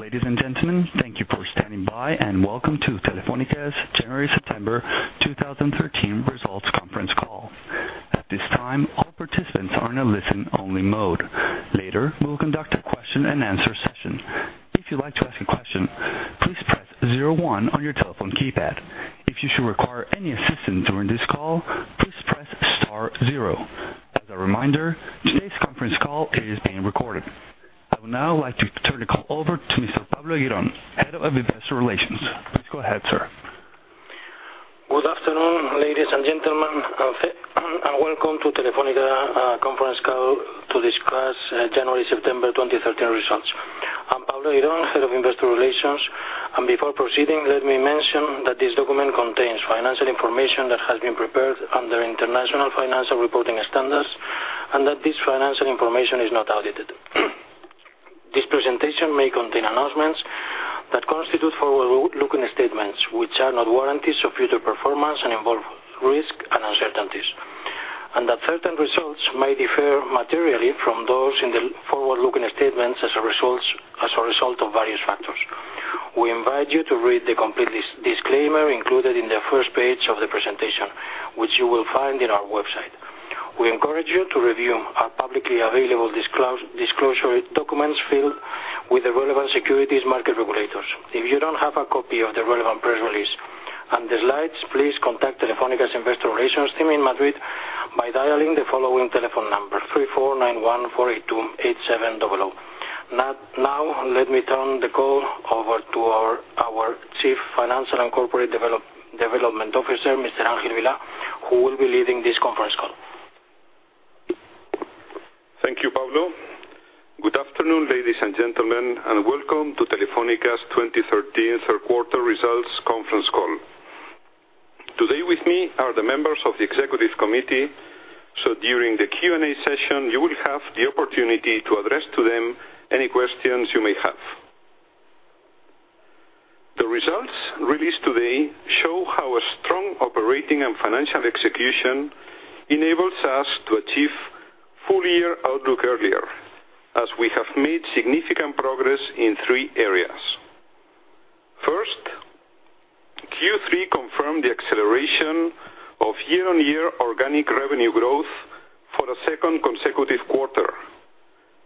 Ladies and gentlemen, thank you for standing by. Welcome to Telefónica's January-September 2013 results conference call. At this time, all participants are in a listen-only mode. Later, we will conduct a question and answer session. If you'd like to ask a question, please press 01 on your telephone keypad. If you should require any assistance during this call, please press star zero. As a reminder, today's conference call is being recorded. I would now like to turn the call over to Mr. Pablo Eguirón, Head of Investor Relations. Please go ahead, sir. Good afternoon, ladies and gentlemen. Welcome to Telefónica conference call to discuss January-September 2013 results. I'm Pablo Eguirón, Head of Investor Relations. Before proceeding, let me mention that this document contains financial information that has been prepared under International Financial Reporting Standards and that this financial information is not audited. This presentation may contain announcements that constitute forward-looking statements, which are not warranties of future performance and involve risk and uncertainties, and that certain results may differ materially from those in the forward-looking statements as a result of various factors. We invite you to read the complete disclaimer included in the first page of the presentation, which you will find on our website. We encourage you to review our publicly available disclosure documents filled with the relevant securities market regulators. If you don't have a copy of the relevant press release and the slides, please contact Telefónica's Investor Relations team in Madrid by dialing the following telephone number, 34 91 482 8700. Let me turn the call over to our Chief Financial and Corporate Development Officer, Mr. Ángel Vilá, who will be leading this conference call. Thank you, Pablo. Good afternoon, ladies and gentlemen. Welcome to Telefónica's 2013 third quarter results conference call. Today with me are the members of the Executive Committee. During the Q&A session, you will have the opportunity to address to them any questions you may have. The results released today show how a strong operating and financial execution enables us to achieve full-year outlook earlier, as we have made significant progress in three areas. First, Q3 confirmed the acceleration of year-on-year organic revenue growth for a second consecutive quarter,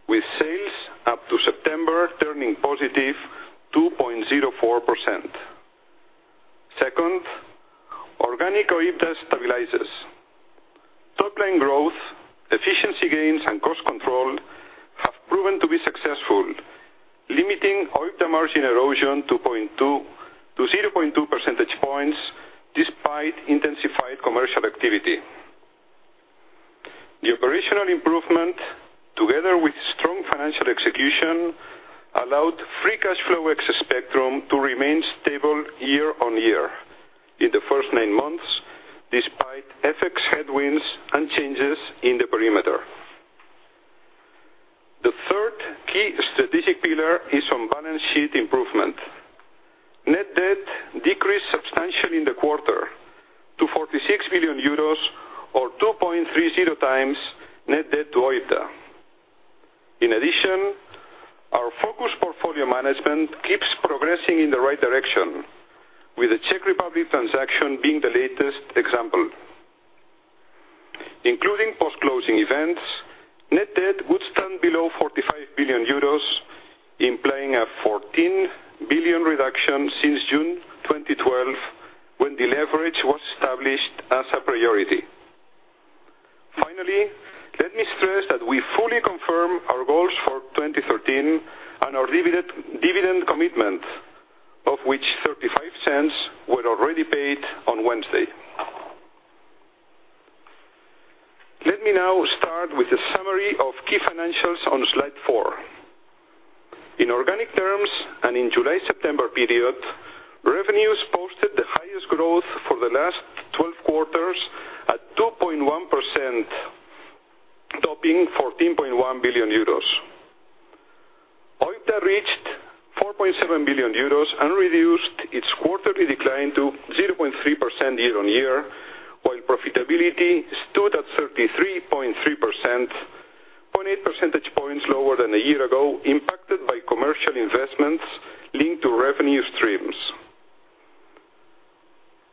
with sales up to September turning positive 2.04%. Second, organic OIBDA stabilizes. Top-line growth, efficiency gains, and cost control have proven to be successful, limiting OIBDA margin erosion to 0.2 percentage points despite intensified commercial activity. The operational improvement, together with strong financial execution, allowed free cash flow excess spectrum to remain stable year-on-year in the first nine months, despite FX headwinds and changes in the perimeter. The third key strategic pillar is on balance sheet improvement. Net debt decreased substantially in the quarter to 46 billion euros or 2.30 times net debt to OIBDA. In addition, our focused portfolio management keeps progressing in the right direction, with the Czech Republic transaction being the latest example. Including post-closing events, net debt would stand below 45 billion euros, implying a 14 billion reduction since June 2012, when the leverage was established as a priority. Finally, let me stress that we fully confirm our goals for 2013 and our dividend commitment, of which 0.35 were already paid on Wednesday. Let me now start with a summary of key financials on slide four. In organic terms and in July-September period, revenues posted the highest growth for the last 12 quarters at 2.1%, topping 14.1 billion euros. OIBDA reached 4.7 billion euros and reduced its quarterly decline to 0.3% year-on-year, while profitability stood at 33.3%, 0.8 percentage points lower than a year ago, impacted by commercial investments linked to revenue streams.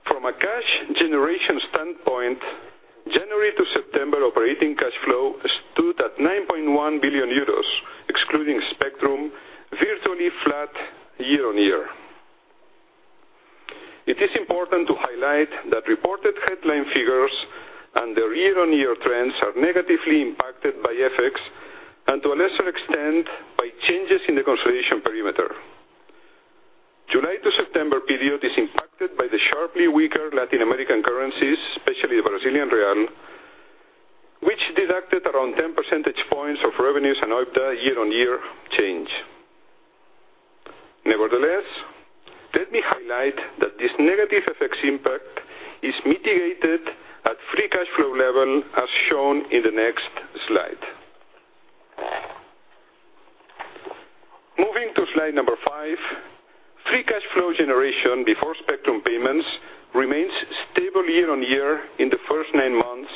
From a cash generation standpoint, January to September operating cash flow stood at 9.1 billion euros, excluding spectrum, virtually flat year-on-year. It is important to highlight that reported headline figures and their year-on-year trends are negatively impacted by FX and to a lesser extent, by changes in the consolidation perimeter. July to September period is impacted by the sharply weaker Latin American currencies, especially the Brazilian real, which deducted around 10 percentage points of revenues and OIBDA year-on-year change. Nevertheless, let me highlight that this negative FX impact is mitigated at free cash flow level as shown in the next slide. Moving to slide number five, free cash flow generation before spectrum payments remains stable year-on-year in the first nine months,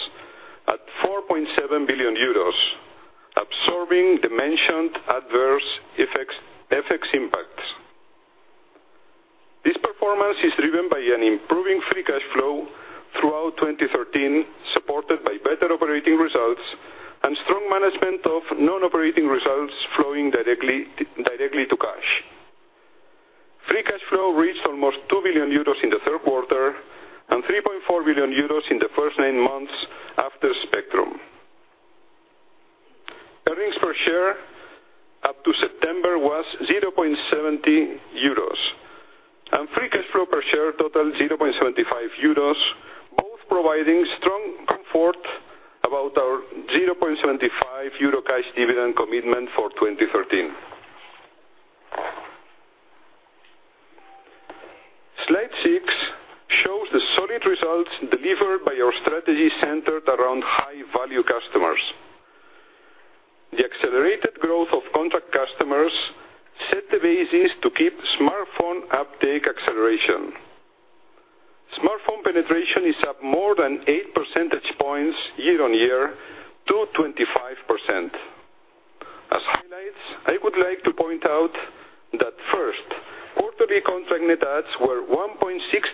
4.7 billion euros, absorbing the mentioned adverse FX impacts. This performance is driven by an improving free cash flow throughout 2013, supported by better operating results and strong management of non-operating results flowing directly to cash. Free cash flow reached almost 2 billion euros in the third quarter and 3.4 billion euros in the first nine months after spectrum. Earnings per share up to September was 0.70 euros, and free cash flow per share totaled 0.75 euros, both providing strong comfort about our 0.75 euro cash dividend commitment for 2013. Slide six shows the solid results delivered by our strategy centered around high-value customers. The accelerated growth of contract customers set the basis to keep smartphone uptake acceleration. Smartphone penetration is up more than eight percentage points year-on-year to 25%. As highlights, I would like to point out that first, quarterly contract net adds were 1.6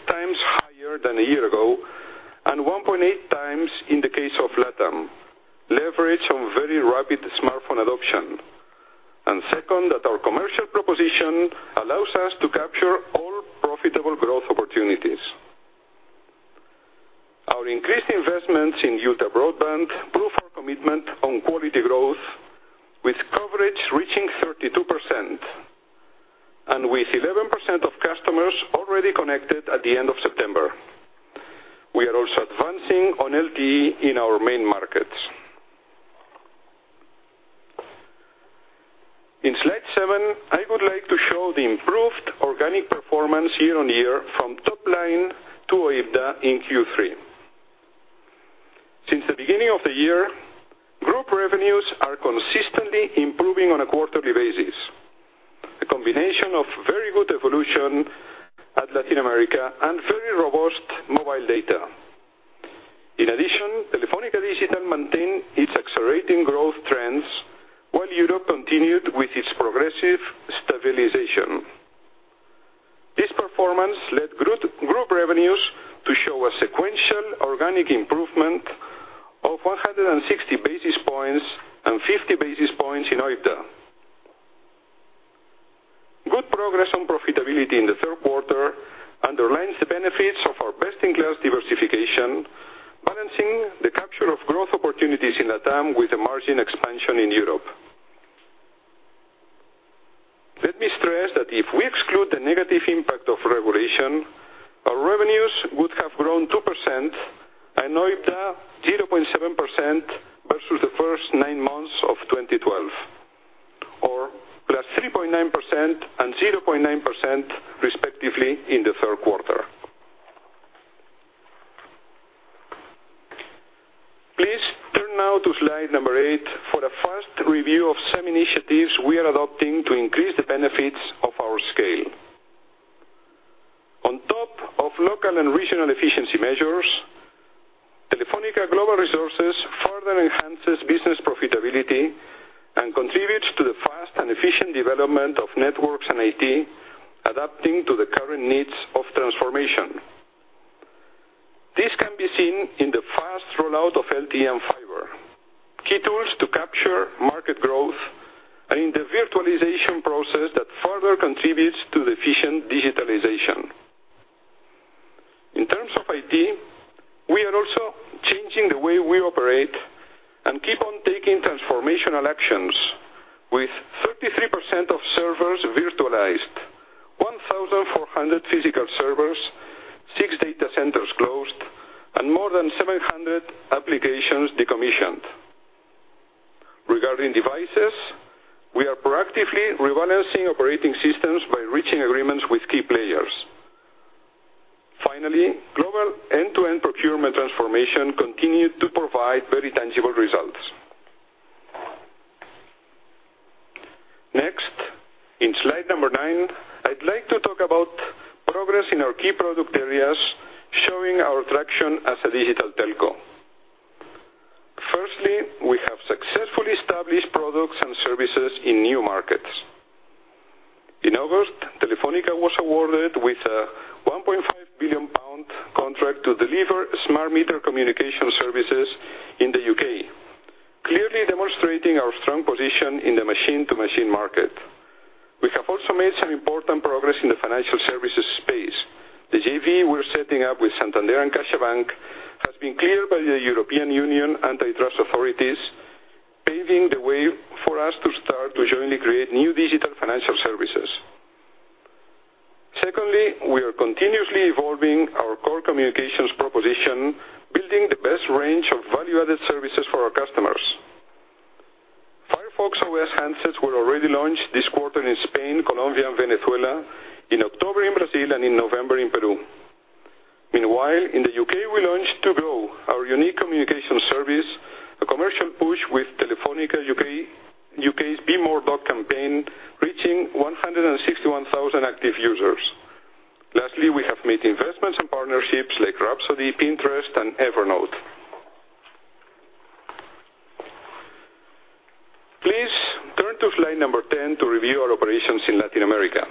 times higher than a year ago and 1.8 times in the case of LatAm, leverage on very rapid smartphone adoption. Second, that our commercial proposition allows us to capture all profitable growth opportunities. Our increased investments in retail broadband prove our commitment on quality growth, with coverage reaching 32% and with 11% of customers already connected at the end of September. We are also advancing on LTE in our main markets. In slide seven, I would like to show the improved organic performance year-on-year from top line to OIBDA in Q3. Since the beginning of the year, group revenues are consistently improving on a quarterly basis. A combination of very good evolution at Latin America and very robust mobile data. In addition, Telefónica Digital maintained its accelerating growth trends, while Europe continued with its progressive stabilization. This performance led group revenues to show a sequential organic improvement of 160 basis points and 50 basis points in OIBDA. Good progress on profitability in the third quarter underlines the benefits of our best-in-class diversification, balancing the capture of growth opportunities in LatAm with a margin expansion in Europe. Let me stress that if we exclude the negative impact of regulation, our revenues would have grown 2% and OIBDA 0.7% versus the first nine months of 2012, or +3.9% and 0.9% respectively in the third quarter. Please turn now to slide number eight for a fast review of some initiatives we are adopting to increase the benefits of our scale. On top of local and regional efficiency measures, Telefónica Global Solutions further enhances business profitability and contributes to the fast and efficient development of networks and IT, adapting to the current needs of transformation. This can be seen in the fast rollout of LTE and fiber, key tools to capture market growth, and in the virtualization process that further contributes to the efficient digitalization. In terms of IT, we are also changing the way we operate and keep on taking transformational actions with 33% of servers virtualized, 1,400 physical servers, six data centers closed, and more than 700 applications decommissioned. Regarding devices, we are proactively rebalancing operating systems by reaching agreements with key players. Finally, global end-to-end procurement transformation continued to provide very tangible results. Next, in slide number nine, I'd like to talk about progress in our key product areas, showing our traction as a digital telco. Firstly, we have successfully established products and services in new markets. In August, Telefónica was awarded with a 1.5 billion pound contract to deliver smart meter communication services in the U.K., clearly demonstrating our strong position in the machine-to-machine market. We have also made some important progress in the financial services space. The JV we're setting up with Santander and CaixaBank has been cleared by the European Union antitrust authorities, paving the way for us to start to jointly create new digital financial services. Secondly, we are continuously evolving our core communications proposition, building the best range of value-added services for our customers. Firefox OS handsets were already launched this quarter in Spain, Colombia, and Venezuela, in October in Brazil, and in November in Peru. Meanwhile, in the U.K., we launched TU Go, our unique communication service, a commercial push with Telefónica U.K.'s Be More Dog campaign, reaching 161,000 active users. Lastly, we have made investments in partnerships like Rhapsody, Pinterest, and Evernote. Please turn to slide number 10 to review our operations in Latin America.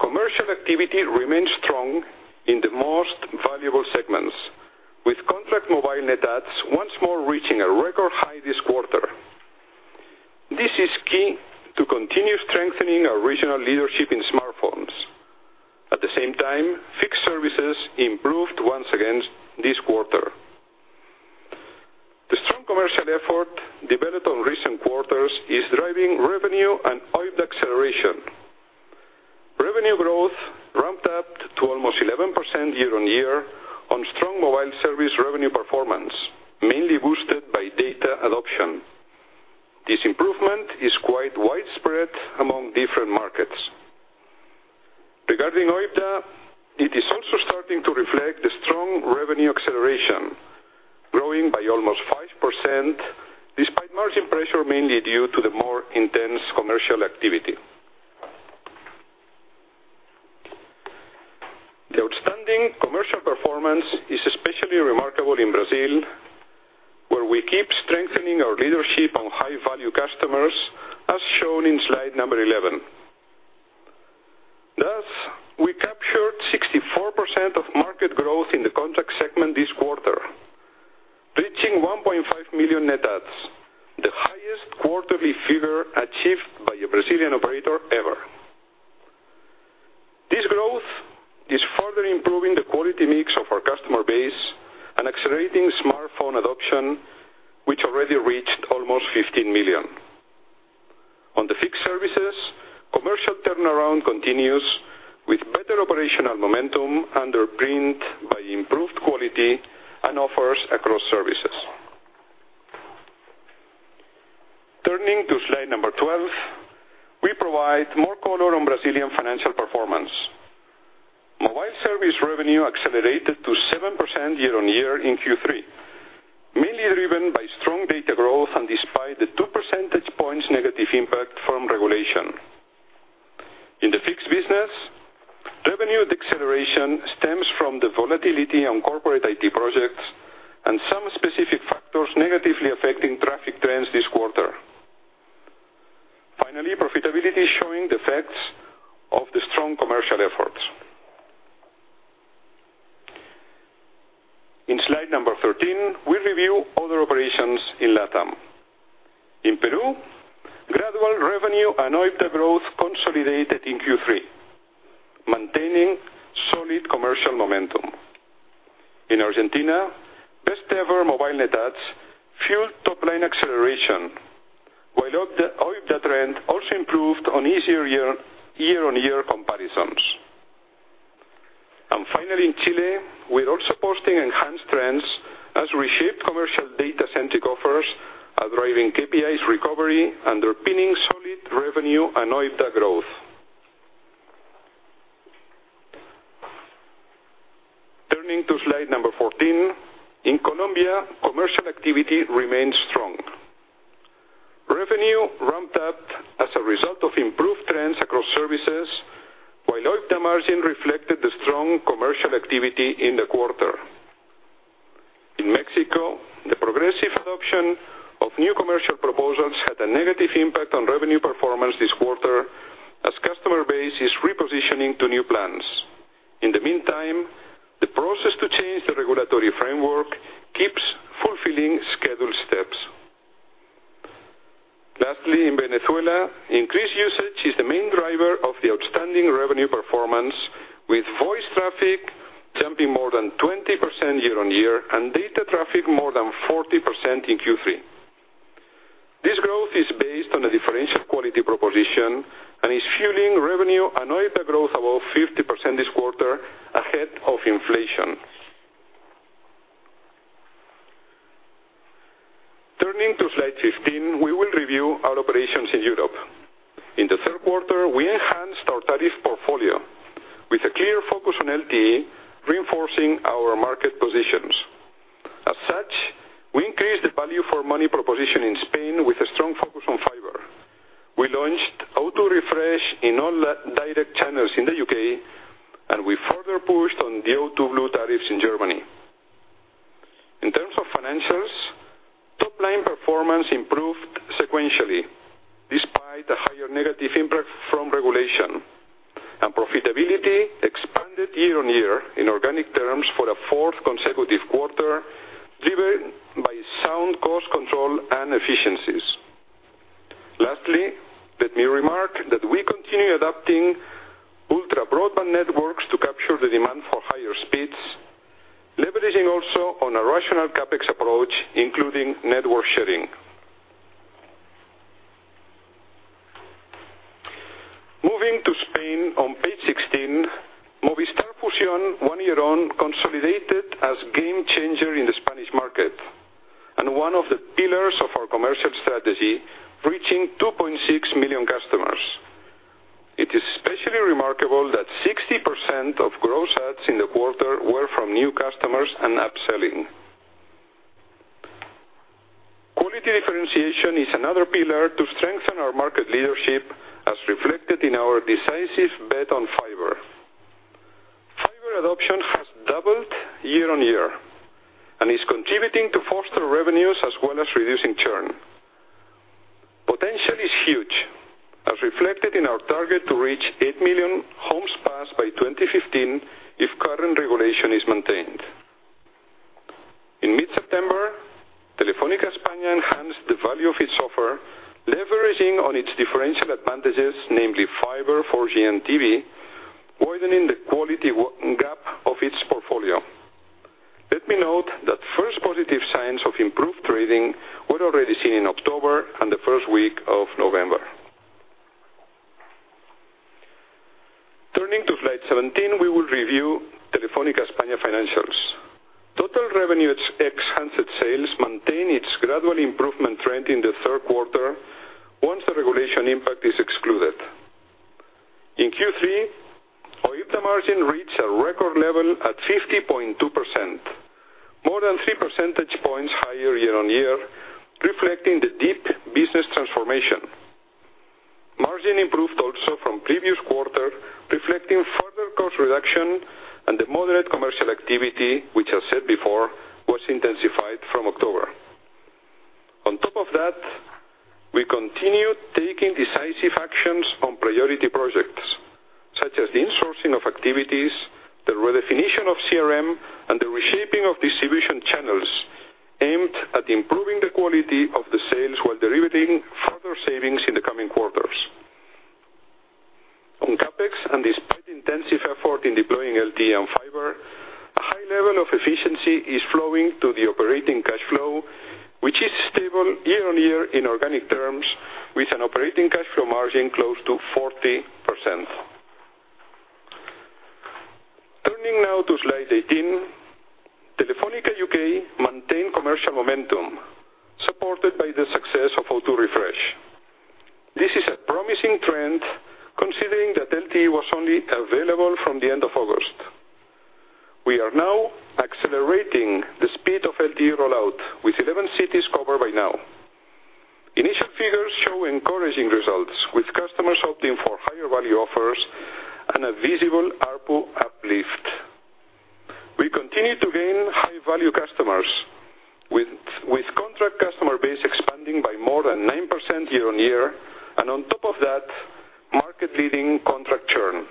Commercial activity remains strong in the most valuable segments, with contract mobile net adds once more reaching a record high this quarter. This is key to continue strengthening our regional leadership in smartphones. At the same time, fixed services improved once again this quarter. The strong commercial effort developed on recent quarters is driving revenue and OIBDA acceleration. Revenue growth ramped up to almost 11% year-on-year on strong mobile service revenue performance, mainly boosted by data adoption. This improvement is quite widespread among different markets. Regarding OIBDA, it is also starting to reflect the strong revenue acceleration, growing by almost 5%, despite margin pressure mainly due to the more intense commercial activity. The outstanding commercial performance is especially remarkable in Brazil, where we keep strengthening our leadership on high-value customers, as shown in slide number 11. Thus, we captured 64% of market growth in the contract segment this quarter, reaching 1.5 million net adds, the highest quarterly figure achieved by a Brazilian operator ever. This growth is further improving the quality mix of our customer base and accelerating smartphone adoption, which already reached almost 15 million. On the fixed services, commercial turnaround continues with better operational momentum underpinned by improved quality and offers across services. Turning to slide number 12, we provide more color on Brazilian financial performance. Mobile service revenue accelerated to 7% year-on-year in Q3, mainly driven by strong data growth and despite the two percentage points negative impact from regulation. In the fixed business, revenue deceleration stems from the volatility on corporate IT projects and some specific factors negatively affecting traffic trends this quarter. Finally, profitability is showing the effects of the strong commercial efforts. In slide number 13, we review other operations in LATAM. In Peru, gradual revenue and OIBDA growth consolidated in Q3, maintaining solid commercial momentum. In Argentina, best-ever mobile net adds fueled top-line acceleration, while OIBDA trend also improved on easier year-on-year comparisons. Finally, in Chile, we're also posting enhanced trends as we shape commercial data-centric offers are driving KPIs recovery, underpinning solid revenue and OIBDA growth. Turning to slide number 14. In Colombia, commercial activity remains strong. Revenue ramped up as a result of improved trends across services, while OIBDA margin reflected the strong commercial activity in the quarter. In Mexico, the progressive adoption of new commercial proposals had a negative impact on revenue performance this quarter as customer base is repositioning to new plans. In the meantime, the process to change the regulatory framework keeps fulfilling scheduled steps. Lastly, in Venezuela, increased usage is the main driver of the outstanding revenue performance, with voice traffic jumping more than 20% year-on-year and data traffic more than 40% in Q3. This growth is based on a differential quality proposition and is fueling revenue and OIBDA growth above 50% this quarter ahead of inflation. Turning to slide 15, we will review our operations in Europe. In the third quarter, we enhanced our tariff portfolio with a clear focus on LTE, reinforcing our market positions. As such, we increased the value for money proposition in Spain with a strong focus on fiber. We launched O2 Refresh in all direct channels in the U.K., and we further pushed on the O2 Blue tariffs in Germany. In terms of financials, top-line performance improved sequentially, despite a higher negative impact from regulation. Profitability expanded year-on-year in organic terms for a fourth consecutive quarter, driven by sound cost control and efficiencies. Lastly, let me remark that we continue adapting ultra broadband networks to capture the demand for higher speeds, leveraging also on a rational CapEx approach, including network sharing. Moving to Spain on page 16, Movistar Fusión, one year on, consolidated as game changer in the Spanish market, and one of the pillars of our commercial strategy, reaching 2.6 million customers. It is especially remarkable that 60% of gross adds in the quarter were from new customers and upselling. Quality differentiation is another pillar to strengthen our market leadership, as reflected in our decisive bet on fiber. Fiber adoption has doubled year-on-year and is contributing to foster revenues, as well as reducing churn. Potential is huge, as reflected in our target to reach 8 million homes passed by 2015 if current regulation is maintained. In mid-September, Telefónica España enhanced the value of its offer, leveraging on its differential advantages, namely fiber, 4G, and TV, widening the quality gap of its portfolio. Let me note that first positive signs of improved trading were already seen in October and the first week of November. Turning to slide 17, we will review Telefónica España financials. Total revenues, ex handset sales, maintain its gradual improvement trend in the third quarter once the regulation impact is excluded. In Q3, OIBDA margin reached a record level at 50.2%, more than three percentage points higher year-on-year, reflecting the deep business transformation. Margin improved also from previous quarter, reflecting further cost reduction and the moderate commercial activity, which I said before, was intensified from October. On top of that, we continued taking decisive actions on priority projects, such as the insourcing of activities, the redefinition of CRM, and the reshaping of distribution channels aimed at improving the quality of the sales while delivering further savings in the coming quarters. On CapEx, despite intensive effort in deploying LTE and fiber, a high level of efficiency is flowing to the operating cash flow, which is stable year-on-year in organic terms, with an operating cash flow margin close to 40%. Turning now to slide 18, Telefónica UK maintained commercial momentum, supported by the success of O2 Refresh. This is a promising trend considering that LTE was only available from the end of August. We are now accelerating the speed of LTE rollout, with 11 cities covered by now. Initial figures show encouraging results, with customers opting for higher value offers and a visible ARPU uplift. We continue to gain high-value customers, with contract customer base expanding by more than 9% year-on-year, and on top of that, market-leading contract churn.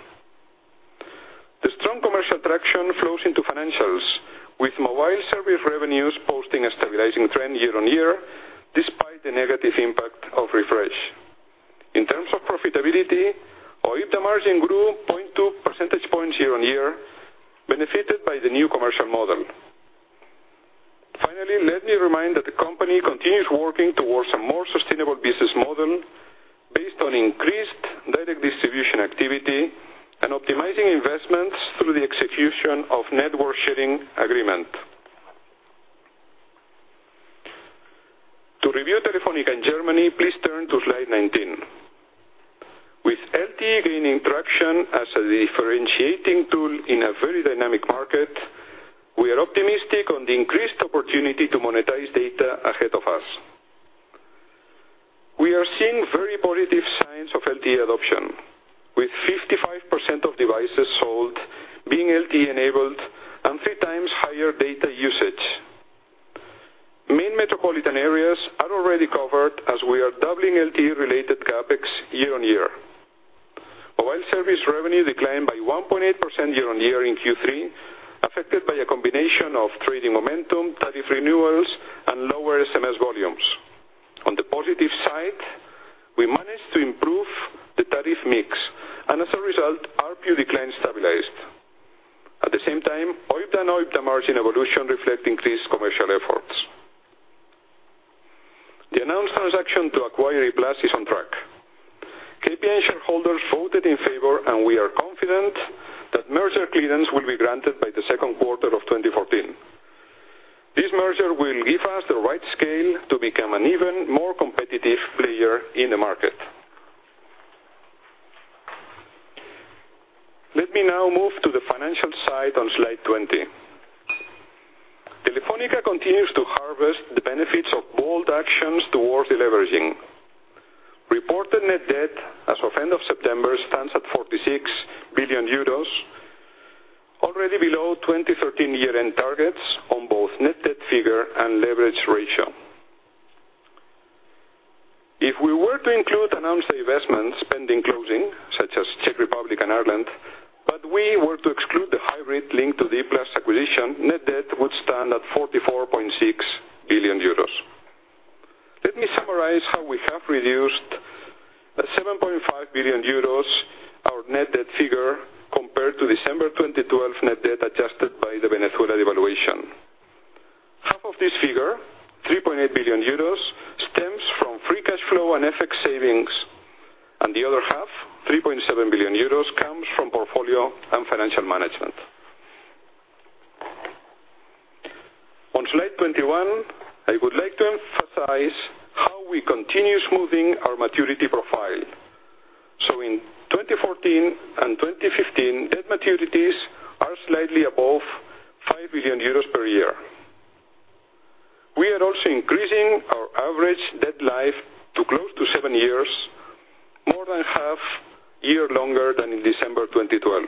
The strong commercial traction flows into financials, with mobile service revenues posting a stabilizing trend year-on-year, despite the negative impact of Refresh. In terms of profitability, OIBDA margin grew 0.2 percentage points year-on-year, benefited by the new commercial model. Finally, let me remind that the company continues working towards a more sustainable business model based on increased direct distribution activity and optimizing investments through the execution of network sharing agreement. To review Telefónica in Germany, please turn to slide 19. With LTE gaining traction as a differentiating tool in a very dynamic market, we are optimistic on the increased opportunity to monetize data ahead of us. We are seeing very positive signs of LTE adoption, with 55% of devices sold being LTE-enabled and three times higher data usage. Main metropolitan areas are already covered as we are doubling LTE-related CapEx year-on-year. While service revenue declined by 1.8% year-on-year in Q3, affected by a combination of trading momentum, tariff renewals, and lower SMS volumes. On the positive side, we managed to improve the tariff mix, and as a result, ARPU decline stabilized. At the same time, OIBDA and OIBDA margin evolution reflect increased commercial efforts. The announced transaction to acquire E-Plus is on track. KPN shareholders voted in favor, and we are confident that merger clearance will be granted by the second quarter of 2014. This merger will give us the right scale to become an even more competitive player in the market. Let me now move to the financial side on slide 20. Telefónica continues to harvest the benefits of bold actions towards deleveraging. Reported net debt as of end of September stands at 46 billion euros, already below 2013 year-end targets on both net debt figure and leverage ratio. If we were to include announced investments pending closing, such as Czech Republic and Ireland, but we were to exclude the hybrid linked to the E-Plus acquisition, net debt would stand at 44.6 billion euros. Let me summarize how we have reduced 7.5 billion euros, our net debt figure, compared to December 2012 net debt adjusted by the Venezuela devaluation. Half of this figure, 3.8 billion euros, stems from free cash flow and FX savings, and the other half, 3.7 billion euros, comes from portfolio and financial management. On slide 21, I would like to emphasize how we continue smoothing our maturity profile. In 2014 and 2015, debt maturities are slightly above 5 billion euros per year. We are also increasing our average debt life to close to seven years, more than half a year longer than in December 2012,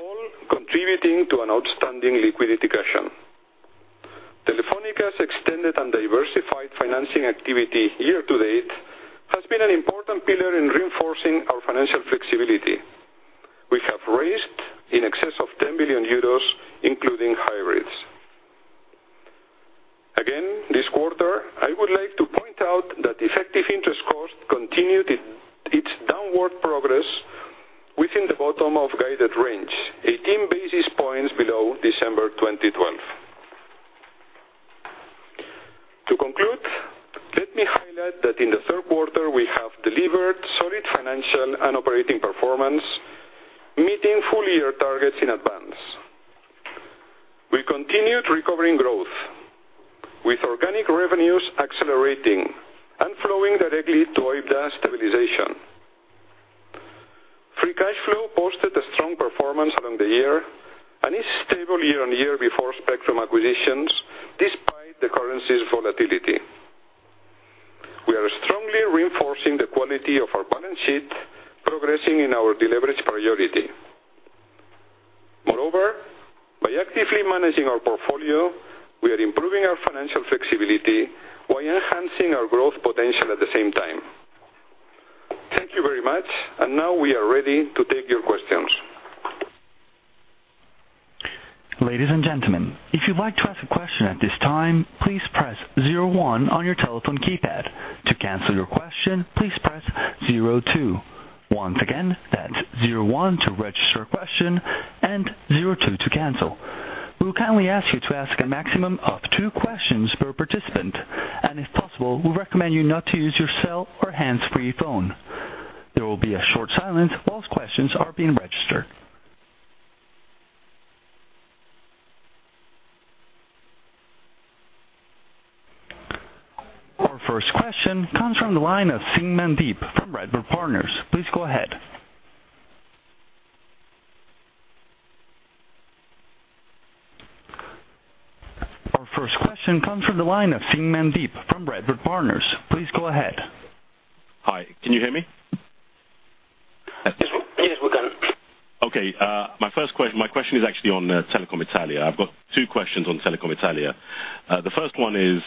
all contributing to an outstanding liquidity cushion. Telefónica's extended and diversified financing activity year-to-date has been an important pillar in reinforcing our financial flexibility. We have raised in excess of 10 billion euros, including hybrids. Again, this quarter, I would like to point out that effective interest cost continued its downward progress within the bottom of guided range, 18 basis points below December 2012. To conclude, let me highlight that in the third quarter, we have delivered solid financial and operating performance, meeting full year targets in advance. We continued recovering growth, with organic revenues accelerating and flowing directly to OIBDA stabilization. Free cash flow posted a strong performance along the year and is stable year-on-year before spectrum acquisitions, despite the currency's volatility. We are strongly reinforcing the quality of our balance sheet, progressing in our deleverage priority. Moreover, by actively managing our portfolio, we are improving our financial flexibility while enhancing our growth potential at the same time. Thank you very much. Now we are ready to take your questions. Ladies and gentlemen, if you'd like to ask a question at this time, please press 01 on your telephone keypad. To cancel your question, please press 02. Once again, that's 01 to register a question and 02 to cancel. We will kindly ask you to ask a maximum of two questions per participant, and if possible, we recommend you not to use your cell or hands-free phone. There will be a short silence whilst questions are being registered. Our first question comes from the line of Mandeep Singh from Redburn Partners. Please go ahead. Our first question comes from the line of Mandeep Singh from Redburn Partners. Please go ahead. Hi, can you hear me? Yes, we can. Okay. My question is actually on Telecom Italia. I've got two questions on Telecom Italia. The first one is,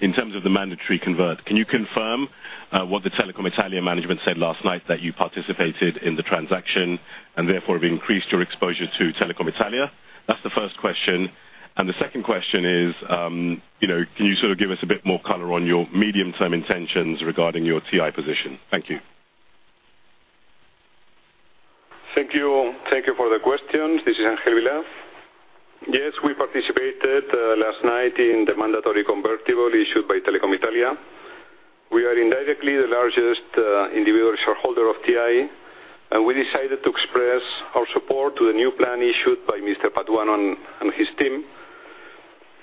in terms of the mandatory convert, can you confirm what the Telecom Italia management said last night that you participated in the transaction and therefore have increased your exposure to Telecom Italia? That's the first question. The second question is, can you give us a bit more color on your medium-term intentions regarding your TI position? Thank you. Thank you for the questions. This is Ángel Vilá. Yes, we participated last night in the mandatory convertible issued by Telecom Italia. We are indirectly the largest individual shareholder of TI, and we decided to express our support to the new plan issued by Mr. Patuano and his team.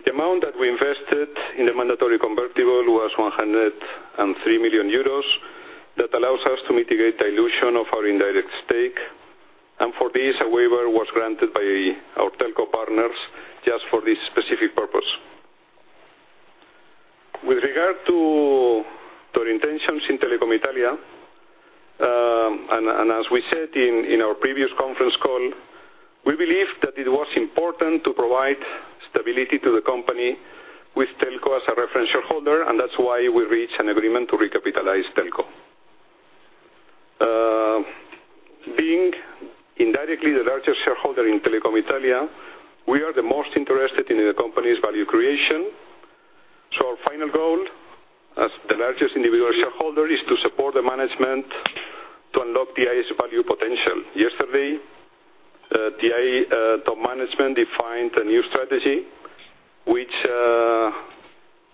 The amount that we invested in the mandatory convertible was 103 million euros. That allows us to mitigate dilution of our indirect stake. For this, a waiver was granted by our Telco partners just for this specific purpose. With regard to our intentions in Telecom Italia, as we said in our previous conference call, we believe that it was important to provide stability to the company with Telco as a reference shareholder, and that's why we reached an agreement to recapitalize Telco. Being indirectly the largest shareholder in Telecom Italia, we are the most interested in the company's value creation. Our final goal, as the largest individual shareholder, is to support the management to unlock TI's value potential. Yesterday, TI top management defined a new strategy, which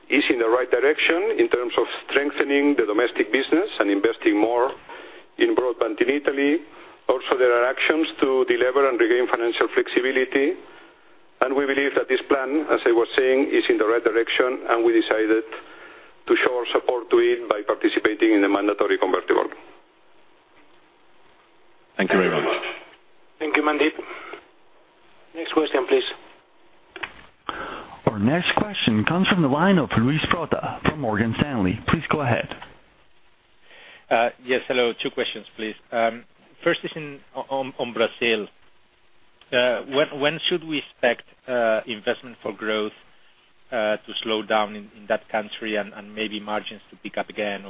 is in the right direction in terms of strengthening the domestic business and investing more in broadband in Italy. Also, there are actions to delever and regain financial flexibility. We believe that this plan, as I was saying, is in the right direction, and we decided to show our support to it by participating in the mandatory convertible. Thank you very much. Thank you, Mandeep. Next question, please. Our next question comes from the line of Luis Prota from Morgan Stanley. Please go ahead. Yes, hello. Two questions, please. First is on Brazil. When should we expect investment for growth to slow down in that country and maybe margins to pick up again?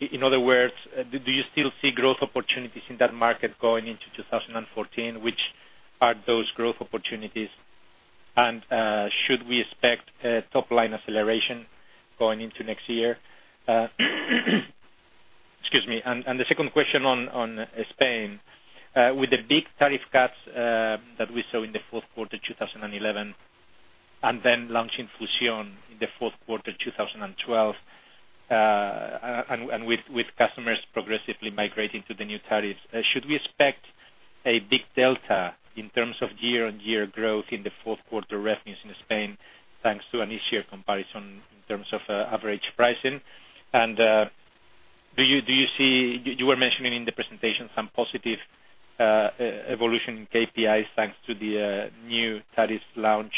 In other words, do you still see growth opportunities in that market going into 2014? Which are those growth opportunities? Should we expect top-line acceleration going into next year? Excuse me. The second question on Spain. With the big tariff cuts that we saw in the fourth quarter 2011, then launching Fusión in the fourth quarter 2012, and with customers progressively migrating to the new tariffs, should we expect a big delta in terms of year-on-year growth in the fourth quarter revenues in Spain, thanks to an easier comparison in terms of average pricing. Do you see, you were mentioning in the presentation some positive evolution in KPIs, thanks to the new tariffs launch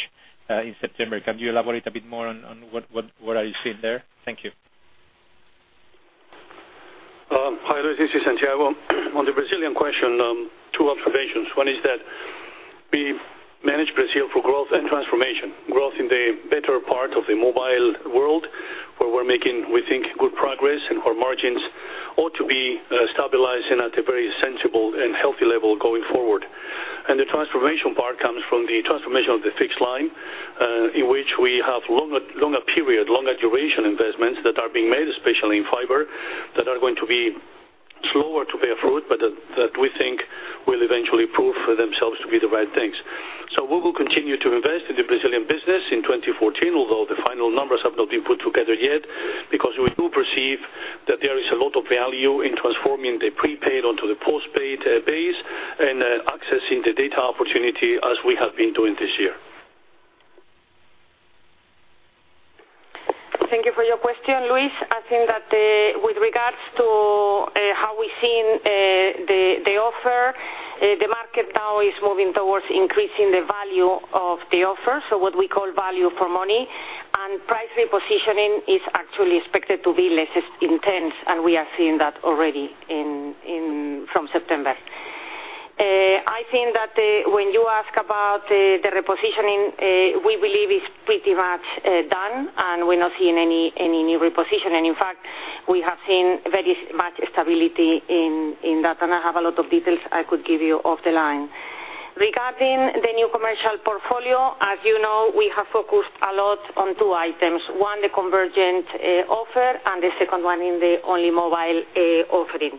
in September. Can you elaborate a bit more on what are you seeing there? Thank you. Hi, Luis. This is Santiago. On the Brazilian question, two observations. One is that we manage Brazil for growth and transformation. Growth in the better part of the mobile world, where we're making, we think, good progress, and our margins ought to be stabilizing at a very sensible and healthy level going forward. The transformation part comes from the transformation of the fixed line, in which we have longer period, longer duration investments that are being made, especially in fiber, that are going to be slower to bear fruit, but that we think will eventually prove for themselves to be the right things. We will continue to invest in the Brazilian business in 2014, although the final numbers have not been put together yet, because we do perceive that there is a lot of value in transforming the prepaid onto the postpaid base and accessing the data opportunity as we have been doing this year. Thank you for your question, Luis. I think that with regards to how we're seeing the offer, the market now is moving towards increasing the value of the offer, so what we call value for money, and price repositioning is actually expected to be less intense, and we are seeing that already from September. I think that when you ask about the repositioning, we believe it's pretty much done, and we're not seeing any new repositioning. In fact, we have seen very much stability in that, and I have a lot of details I could give you off the line. Regarding the new commercial portfolio, as you know, we have focused a lot on two items. One, the convergent offer, and the second one in the only mobile offering.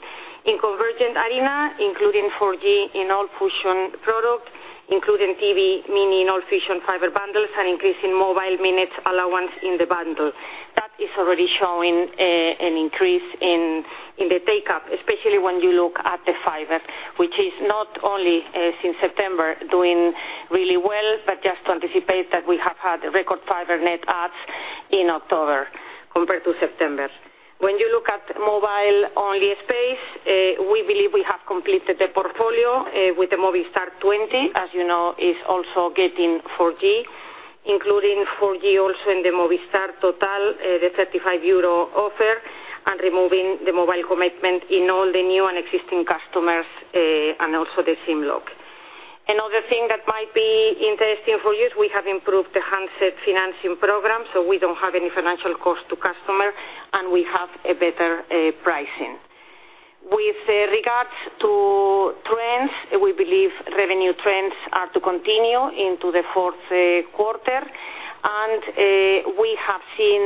In convergent arena, including 4G in all Fusión products, including TV, meaning all Fusión fiber bundles are increasing mobile minutes allowance in the bundle. That is already showing an increase in the take-up, especially when you look at the fiber, which is not only since September doing really well, but just to anticipate that we have had record fiber net adds in October compared to September. When you look at mobile-only space, we believe we have completed the portfolio with the Movistar 20. As you know, it's also getting 4G, including 4G also in the Movistar Total, the 35 euro offer, and removing the mobile commitment in all the new and existing customers, and also the SIM lock. Another thing that might be interesting for you is we have improved the handset financing program, so we don't have any financial cost to customer, and we have a better pricing. With regards to trends, we believe revenue trends are to continue into the fourth quarter. We have seen,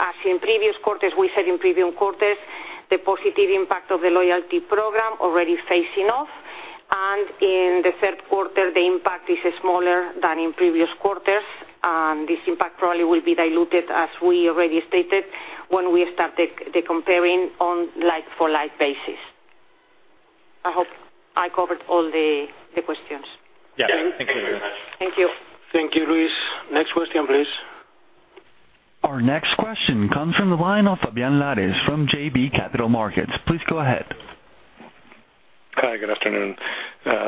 as in previous quarters, we said in previous quarters, the positive impact of the loyalty program already phasing off. In the third quarter, the impact is smaller than in previous quarters. This impact probably will be diluted, as we already stated, when we start the comparing on like-for-like basis. I hope I covered all the questions. Yeah. Thank you very much. Thank you. Thank you, Luis. Next question, please. Our next question comes from the line of Fabián Lares from JB Capital Markets. Please go ahead. Hi, good afternoon.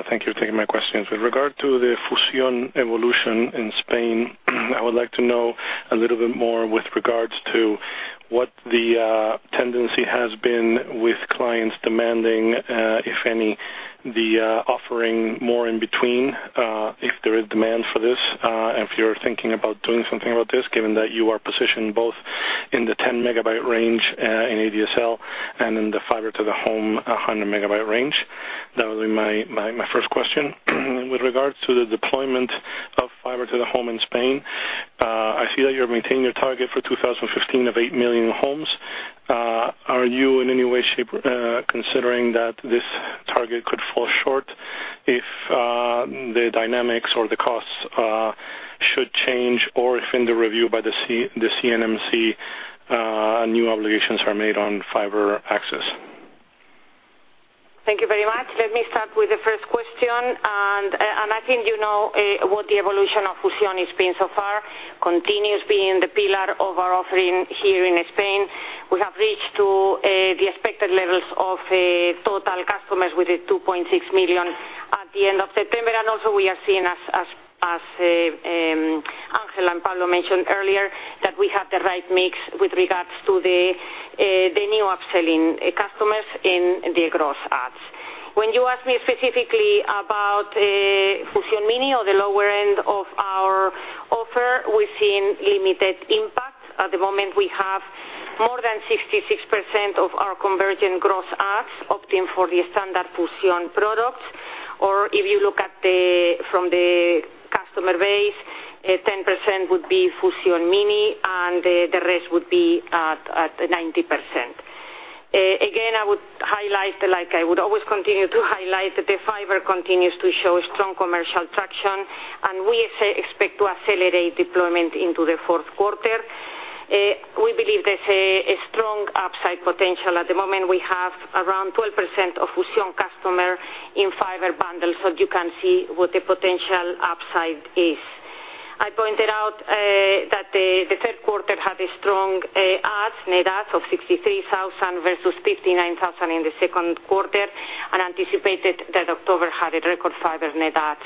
Thank you for taking my questions. With regard to the Fusion evolution in Spain, I would like to know a little bit more with regards to what the tendency has been with clients demanding, if any, the offering more in between, if there is demand for this, and if you're thinking about doing something about this, given that you are positioned both in the 10 MB range in ADSL and in the fiber to the home 100 MB range. That would be my first question. With regards to the deployment of fiber to the home in Spain, I see that you're maintaining your target for 2015 of 8 million homes. Are you in any way, shape, considering that this target could fall short if the dynamics or the costs should change, or if in the review by the CNMC, new obligations are made on fiber access? Thank you very much. Let me start with the first question. I think you know what the evolution of Fusion has been so far. Continues being the pillar of our offering here in Spain. We have reached to the expected levels of total customers with the 2.6 million at the end of September. Also we are seeing, as Ángel and Pablo mentioned earlier, that we have the right mix with regards to the new upselling customers in the gross adds. When you ask me specifically about Fusion Mini or the lower end of our offer, we're seeing limited impact. At the moment, we have more than 66% of our convergent gross adds opting for the standard Fusion products, or if you look at from the customer base, 10% would be Fusion Mini, and the rest would be at 90%. Again, I would highlight, like I would always continue to highlight, that the fiber continues to show strong commercial traction, and we expect to accelerate deployment into the fourth quarter. We believe there's a strong upside potential. At the moment, we have around 12% of Fusion customer in fiber bundle, so you can see what the potential upside is. I pointed out that the third quarter had a strong net adds of 63,000 versus 59,000 in the second quarter, and anticipated that October had a record fiber net adds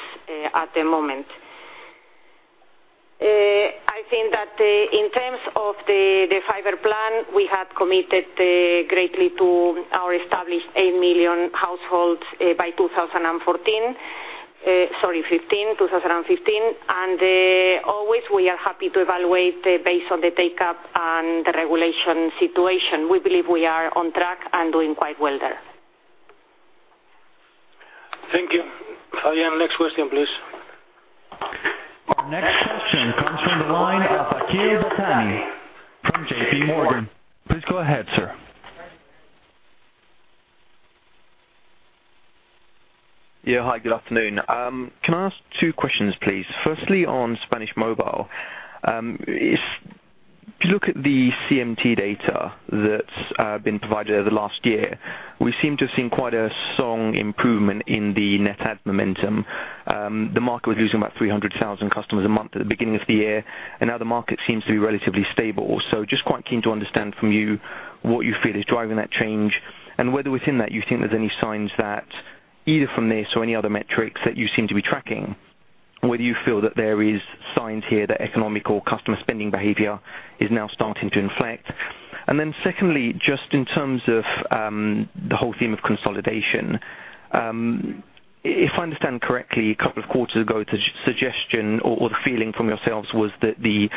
at the moment. I think that in terms of the fiber plan, we have committed greatly to our established 8 million households by 2014. Sorry, 2015. Always, we are happy to evaluate based on the take-up and the regulation situation. We believe we are on track and doing quite well there. Thank you. Fabián, next question, please. Our next question comes from the line of Akhil Dattani from JPMorgan. Please go ahead, sir. Yeah. Hi, good afternoon. Can I ask two questions, please? Firstly, on Spanish Mobile. If you look at the CMT data that's been provided over the last year, we seem to have seen quite a strong improvement in the net add momentum. The market was losing about 300,000 customers a month at the beginning of the year. Now the market seems to be relatively stable. Just quite keen to understand from you what you feel is driving that change, and whether within that, you think there's any signs that either from this or any other metrics that you seem to be tracking, whether you feel that there is signs here that economic or customer spending behavior is now starting to inflect. Secondly, just in terms of the whole theme of consolidation. If I understand correctly, a couple of quarters ago, the suggestion or the feeling from yourselves was that the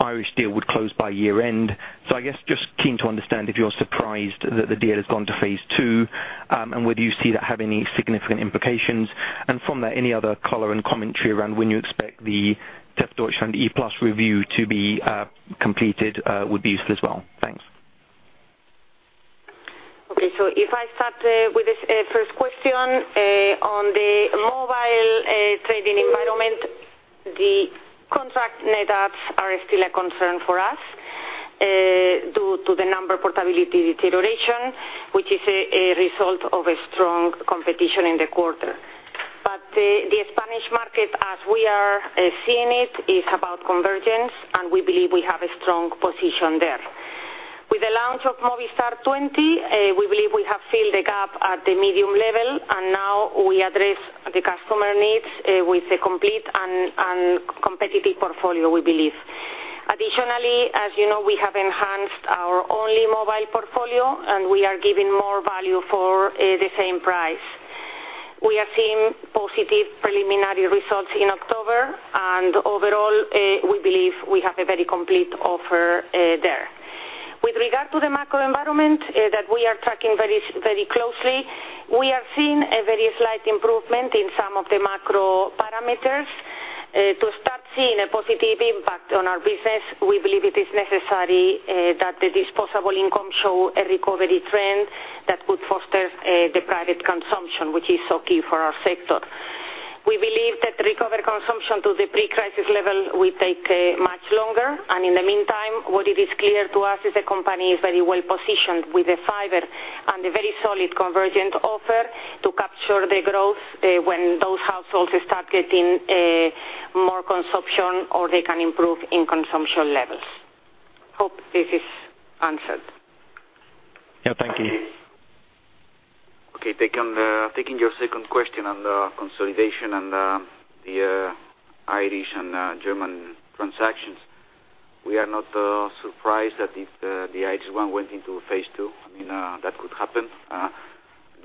Irish deal would close by year-end. I guess just keen to understand if you're surprised that the deal has gone to phase 2, and whether you see that have any significant implications. From there, any other color and commentary around when you expect the Telefónica and E-Plus review to be completed, would be useful as well. Thanks. Okay. If I start with this first question, on the mobile trading environment, the contract net adds are still a concern for us due to the number portability deterioration, which is a result of a strong competition in the quarter. The Spanish market, as we are seeing it, is about convergence, and we believe we have a strong position there. With the launch of Movistar 20, we believe we have filled the gap at the medium level, and now we address the customer needs with a complete and competitive portfolio, we believe. Additionally, as you know, we have enhanced our Only mobile portfolio, and we are giving more value for the same price. We are seeing positive preliminary results in October, and overall, we believe we have a very complete offer there. With regard to the macro environment that we are tracking very closely, we are seeing a very slight improvement in some of the macro parameters. To start seeing a positive impact on our business, we believe it is necessary that the disposable income show a recovery trend that would foster the private consumption, which is so key for our sector. We believe that recover consumption to the pre-crisis level will take much longer. In the meantime, what it is clear to us is the company is very well positioned with the fiber and a very solid convergent offer to capture the growth when those households start getting more consumption or they can improve in consumption levels. Hope this is answered. Yeah. Thank you. Okay. Taking your second question on the consolidation and the Irish and German transactions, we are not surprised that the Irish one went into phase II. That could happen.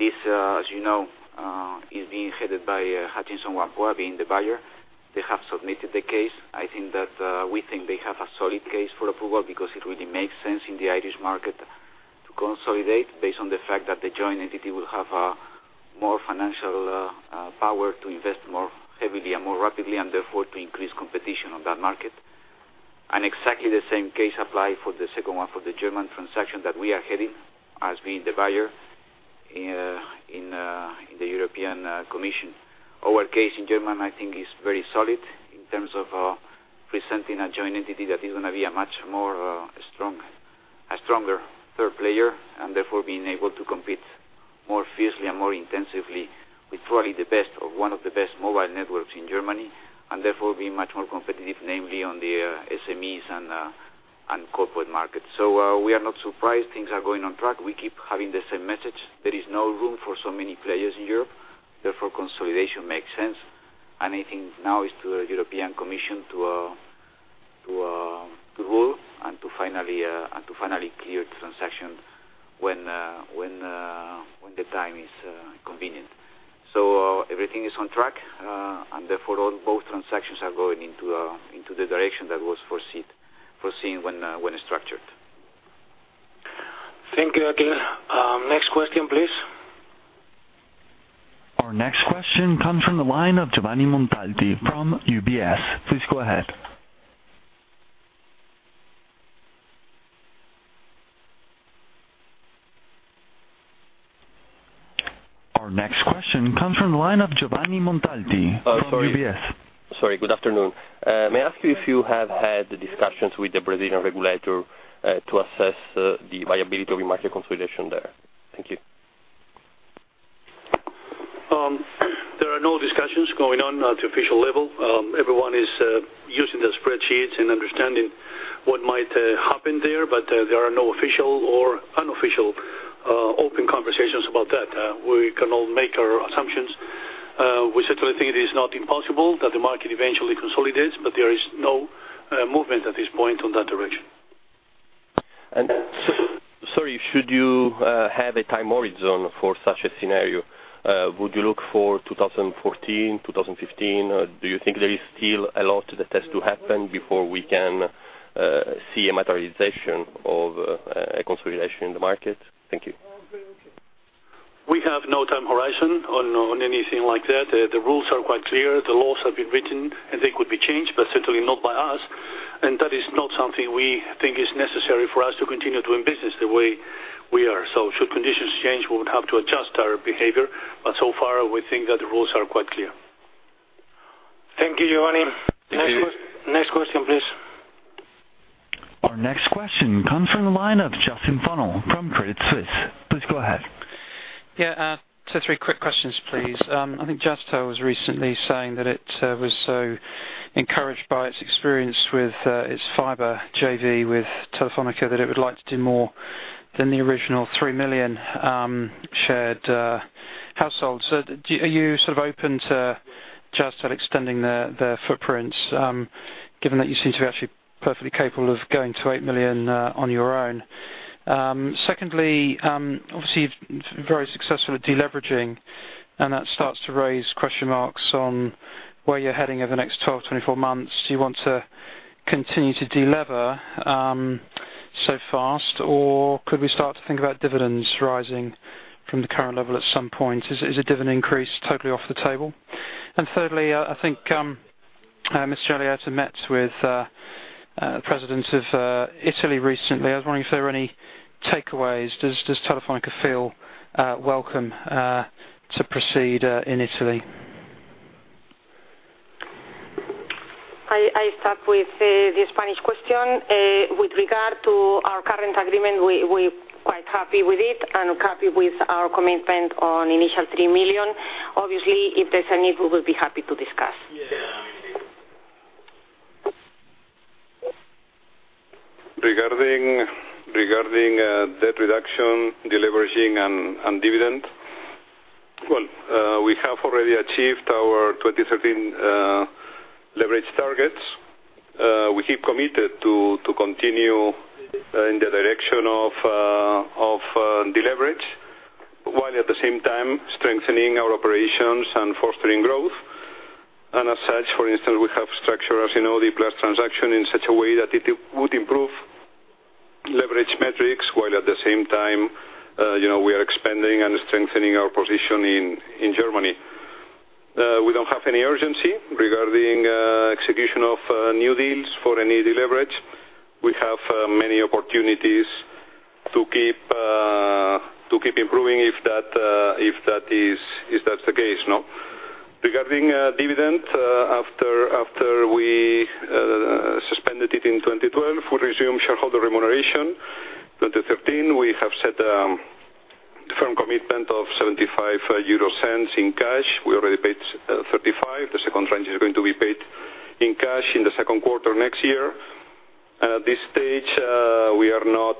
This, as you know, is being headed by Hutchison Whampoa being the buyer. They have submitted the case. I think that we think they have a solid case for approval because it really makes sense in the Irish market to consolidate based on the fact that the joint entity will have a more financial power to invest more heavily and more rapidly, and therefore, to increase competition on that market. Exactly the same case apply for the second one, for the German transaction that we are heading as being the buyer in the European Commission. Our case in German, I think, is very solid in terms of presenting a joint entity that is going to be a much more stronger third player and therefore being able to compete more fiercely and more intensively with probably the best or one of the best mobile networks in Germany, and therefore, be much more competitive, namely on the SMEs and corporate market. We are not surprised things are going on track. We keep having the same message. There is no room for so many players in Europe. Therefore, consolidation makes sense. I think now it's to the European Commission to rule and to finally clear transaction when the time is convenient. Everything is on track. Therefore, both transactions are going into the direction that was foreseen when structured. Thank you, Akhil. Next question, please. Our next question comes from the line of Giovanni Montalti from UBS. Please go ahead. Our next question comes from the line of Giovanni Montalti from UBS. Sorry, good afternoon. May I ask you if you have had discussions with the Brazilian regulator to assess the viability of a market consolidation there? Thank you. There are no discussions going on at the official level. Everyone is using their spreadsheets and understanding what might happen there are no official or unofficial open conversations about that. We can all make our assumptions. We certainly think it is not impossible that the market eventually consolidates, there is no movement at this point on that direction. Sorry, should you have a time horizon for such a scenario? Would you look for 2014, 2015, or do you think there is still a lot that has to happen before we can see a materialization of a consolidation in the market? Thank you. We have no time horizon on anything like that. The rules are quite clear. The laws have been written, they could be changed, but certainly not by us. That is not something we think is necessary for us to continue doing business the way we are. Should conditions change, we would have to adjust our behavior, but so far, we think that the rules are quite clear. Thank you, Giovanni. Thank you. Next question, please. Our next question comes from the line of Justin Funnell from Credit Suisse. Please go ahead. Two, three quick questions, please. I think Jazztel was recently saying that it was so encouraged by its experience with its fiber JV with Telefónica that it would like to do more than the original 3 million shared households. Are you open to Jazztel extending their footprints, given that you seem to be actually perfectly capable of going to 8 million on your own? Secondly, obviously you're very successful at deleveraging, and that starts to raise question marks on where you're heading over the next 12, 24 months. Do you want to continue to delever so fast, or could we start to think about dividends rising from the current level at some point? Is a dividend increase totally off the table? Thirdly, I think Mr. Alierta met with the president of Italy recently. I was wondering if there were any takeaways. Does Telefónica feel welcome to proceed in Italy? I start with the Spanish question. With regard to our current agreement, we are quite happy with it and happy with our commitment on initial 3 million. Obviously, if there is a need, we will be happy to discuss. Regarding debt reduction, deleveraging, and dividend, well, we have already achieved our 2013 leverage targets. We keep committed to continue in the direction of deleverage, while at the same time strengthening our operations and fostering growth. As such, for instance, we have structured, as you know, the E-Plus transaction in such a way that it would improve leverage metrics, while at the same time, we are expanding and strengthening our position in Germany. We do not have any urgency regarding execution of new deals for any deleverage. We have many opportunities to keep improving if that is the case. Regarding dividend, after we suspended it in 2012, we resumed shareholder remuneration. 2013, we have set a firm commitment of €0.75 in cash. We already paid €0.35. The second tranche is going to be paid in cash in the second quarter next year. At this stage, we are not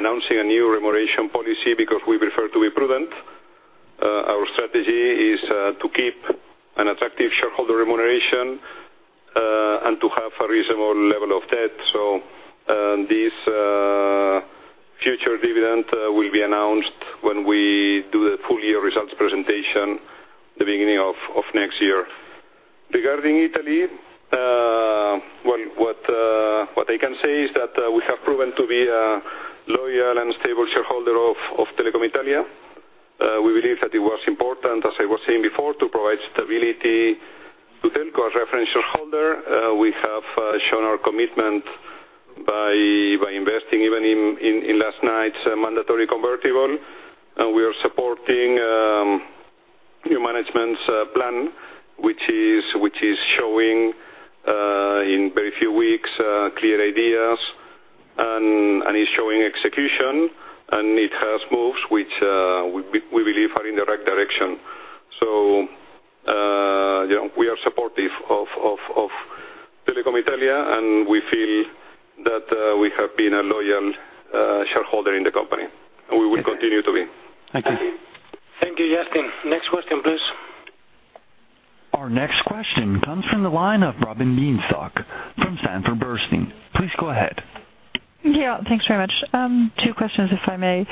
announcing a new remuneration policy because we prefer to be prudent. Our strategy is to keep an attractive shareholder remuneration, and to have a reasonable level of debt. This future dividend will be announced when we do the full year results presentation the beginning of next year. Regarding Italy, well, what I can say is that we have proven to be a loyal and stable shareholder of Telecom Italia. We believe that it was important, as I was saying before, to provide stability to Telco as reference shareholder. We have shown our commitment by investing even in last night's mandatory convertible. We are supporting new management's plan, which is showing in very few weeks, clear ideas, and is showing execution, and it has moves which we believe are in the right direction. We are supportive of Telecom Italia, and we feel that we have been a loyal shareholder in the company, and we will continue to be. Thank you. Thank you, Justin. Next question, please. Our next question comes from the line of Robin Bienenstock from Sanford C. Bernstein. Please go ahead. Yeah, thanks very much. Two questions, if I may.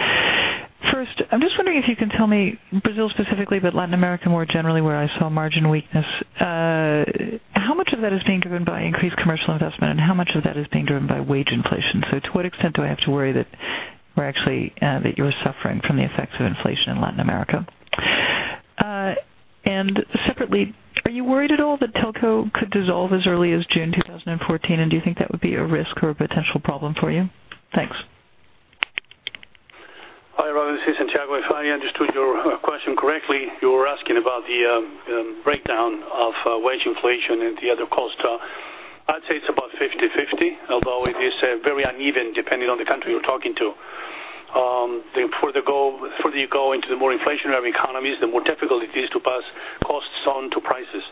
First, I'm just wondering if you can tell me, Brazil specifically, but Latin America more generally, where I saw margin weakness, how much of that is being driven by increased commercial investment, and how much of that is being driven by wage inflation? To what extent do I have to worry that you're suffering from the effects of inflation in Latin America? Separately, are you worried at all that Telco could dissolve as early as June 2014? Do you think that would be a risk or a potential problem for you? Thanks. Hi, Robin. This is Santiago. If I understood your question correctly, you were asking about the breakdown of wage inflation and the other costs. I'd say it's about 50/50, although it is very uneven depending on the country you're talking to. The further you go into the more inflationary economies, the more difficult it is to pass costs on to prices.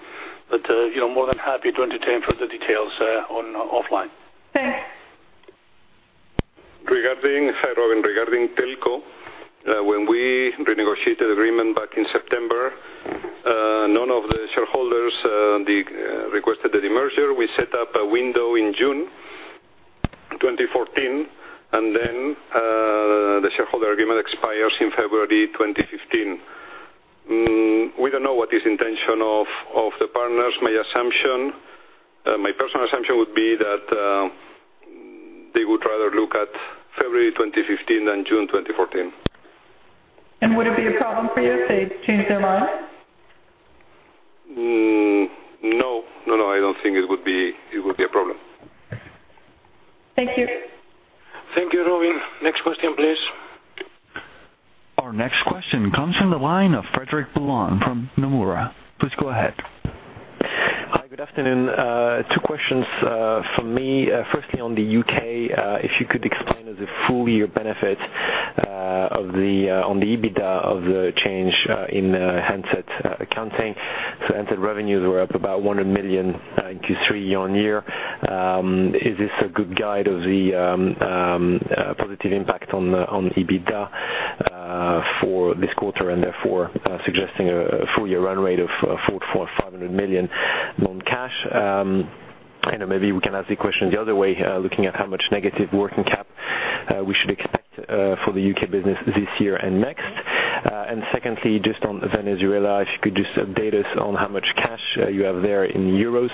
More than happy to entertain further details offline. Thanks. Hi, Robin. Regarding Telco, when we renegotiated the agreement back in September, none of the shareholders requested a demerger. We set up a window in June 2014. The shareholder agreement expires in February 2015. We don't know what is the intention of the partners. My personal assumption would be that they would rather look at February 2015 than June 2014. Would it be a problem for you if they change their mind? No. I don't think it would be a problem. Thank you. Thank you, Robin. Next question, please. Our next question comes from the line of Frederic Boulan from Nomura. Please go ahead. Hi, good afternoon. Two questions from me. Firstly, on the U.K., if you could explain to the full year benefit on the EBITDA of the change in handset accounting. Handset revenues were up about 100 million in Q3 year-on-year. Is this a good guide of the positive impact on EBITDA for this quarter, and therefore suggesting a full year run rate of 400 million or 500 million non-cash? Maybe we can ask the question the other way, looking at how much negative working capital we should expect for the U.K. business this year and next. Secondly, just on Venezuela. If you could just update us on how much cash you have there in EUR,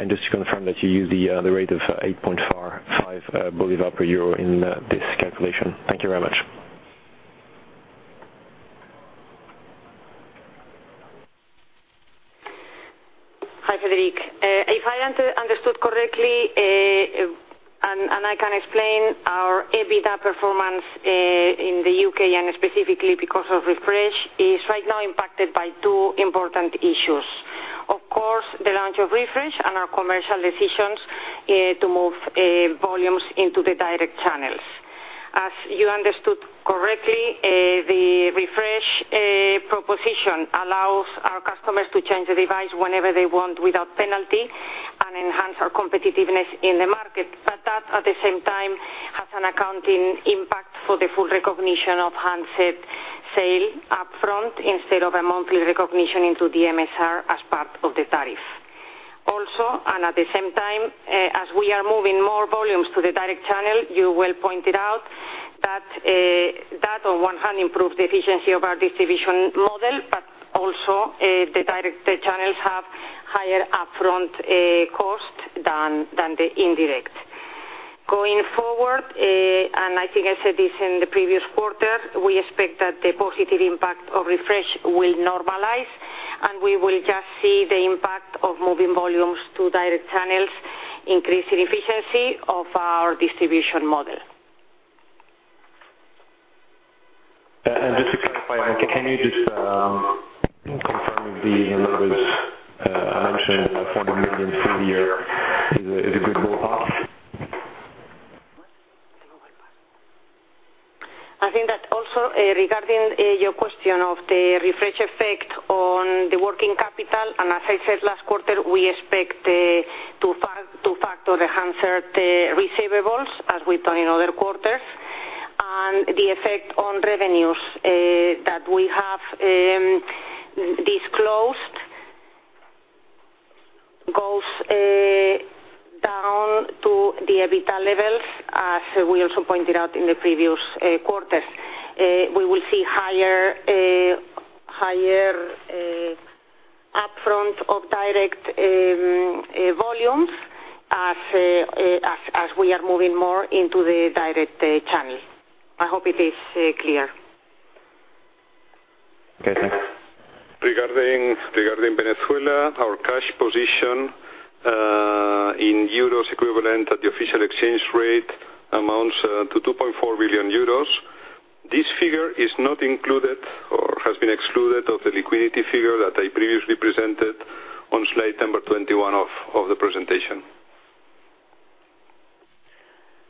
and just to confirm that you use the rate of 8.5 bolivar per EUR in this calculation. Thank you very much. Hi, Frederic. If I understood correctly, and I can explain our EBITDA performance in the U.K., and specifically because of Refresh, is right now impacted by two important issues. Of course, the launch of Refresh and our commercial decisions to move volumes into the direct channels. As you understood correctly, the Refresh proposition allows our customers to change the device whenever they want without penalty and enhance our competitiveness in the market. That, at the same time, has an accounting impact for the full recognition of handset sale up front instead of a monthly recognition into the MSR as part of the tariff. Also, and at the same time, as we are moving more volumes to the direct channel, you well pointed out that on one hand improves the efficiency of our distribution model, but also the direct channels have higher upfront cost than the indirect. Going forward, and I think I said this in the previous quarter, we expect that the positive impact of Refresh will normalize, and we will just see the impact of moving volumes to direct channels increasing efficiency of our distribution model. Just to clarify, can you just confirm if the numbers I mentioned, 400 million full year, is a good ballpark? I think that also regarding your question of the Refresh effect on the working capital, and as I said last quarter, we expect to factor the handset receivables as we've done in other quarters. The effect on revenues that we have disclosed goes down to the EBITDA levels, as we also pointed out in the previous quarters. We will see higher upfront of direct volumes as we are moving more into the direct channel. I hope it is clear. Okay, thanks. Regarding Venezuela, our cash position in EUR equivalent at the official exchange rate amounts to 2.4 billion euros. This figure is not included or has been excluded of the liquidity figure that I previously presented on slide number 21 of the presentation.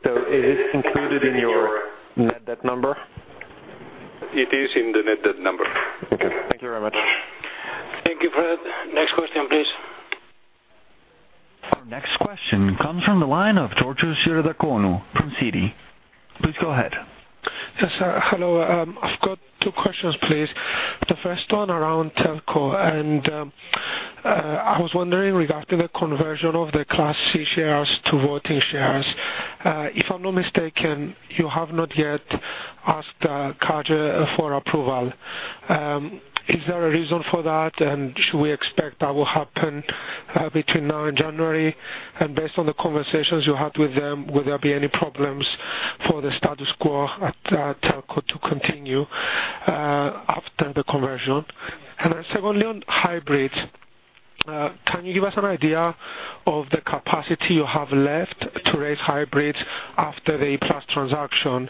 It is included in your net debt number? It is in the net debt number. Okay. Thank you very much. Thank you, Fred. Next question, please. Our next question comes from the line of Georgios Ierodiaconou from Citi. Please go ahead. Yes, hello. I've got two questions, please. The first one around Telco, I was wondering regarding the conversion of the class C shares to voting shares. If I'm not mistaken, you have not yet asked AGCOM for approval. Is there a reason for that? Should we expect that will happen between now and January? Based on the conversations you had with them, will there be any problems? For the status quo at Telco to continue after the conversion. Secondly, on hybrids, can you give us an idea of the capacity you have left to raise hybrids after the E-Plus transaction?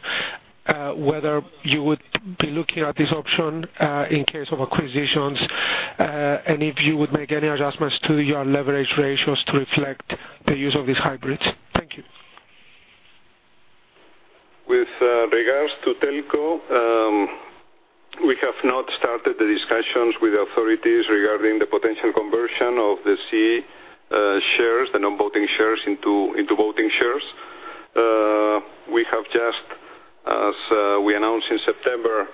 Whether you would be looking at this option in case of acquisitions and if you would make any adjustments to your leverage ratios to reflect the use of these hybrids. Thank you. With regards to Telco, we have not started the discussions with authorities regarding the potential conversion of the C shares, the non-voting shares, into voting shares. We have just, as we announced in September,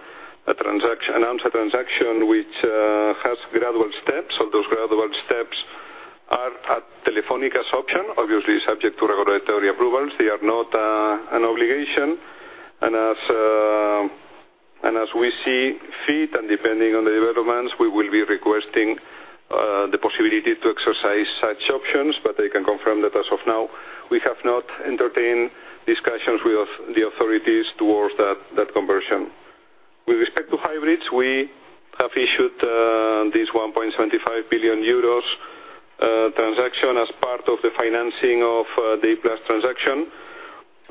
announced a transaction which has gradual steps. Those gradual steps are at Telefónica's option, obviously subject to regulatory approvals. They are not an obligation. As we see fit and depending on the developments, we will be requesting the possibility to exercise such options. I can confirm that as of now, we have not entertained discussions with the authorities towards that conversion. With respect to hybrids, we have issued this 1.75 billion euros transaction as part of the financing of the E-Plus transaction.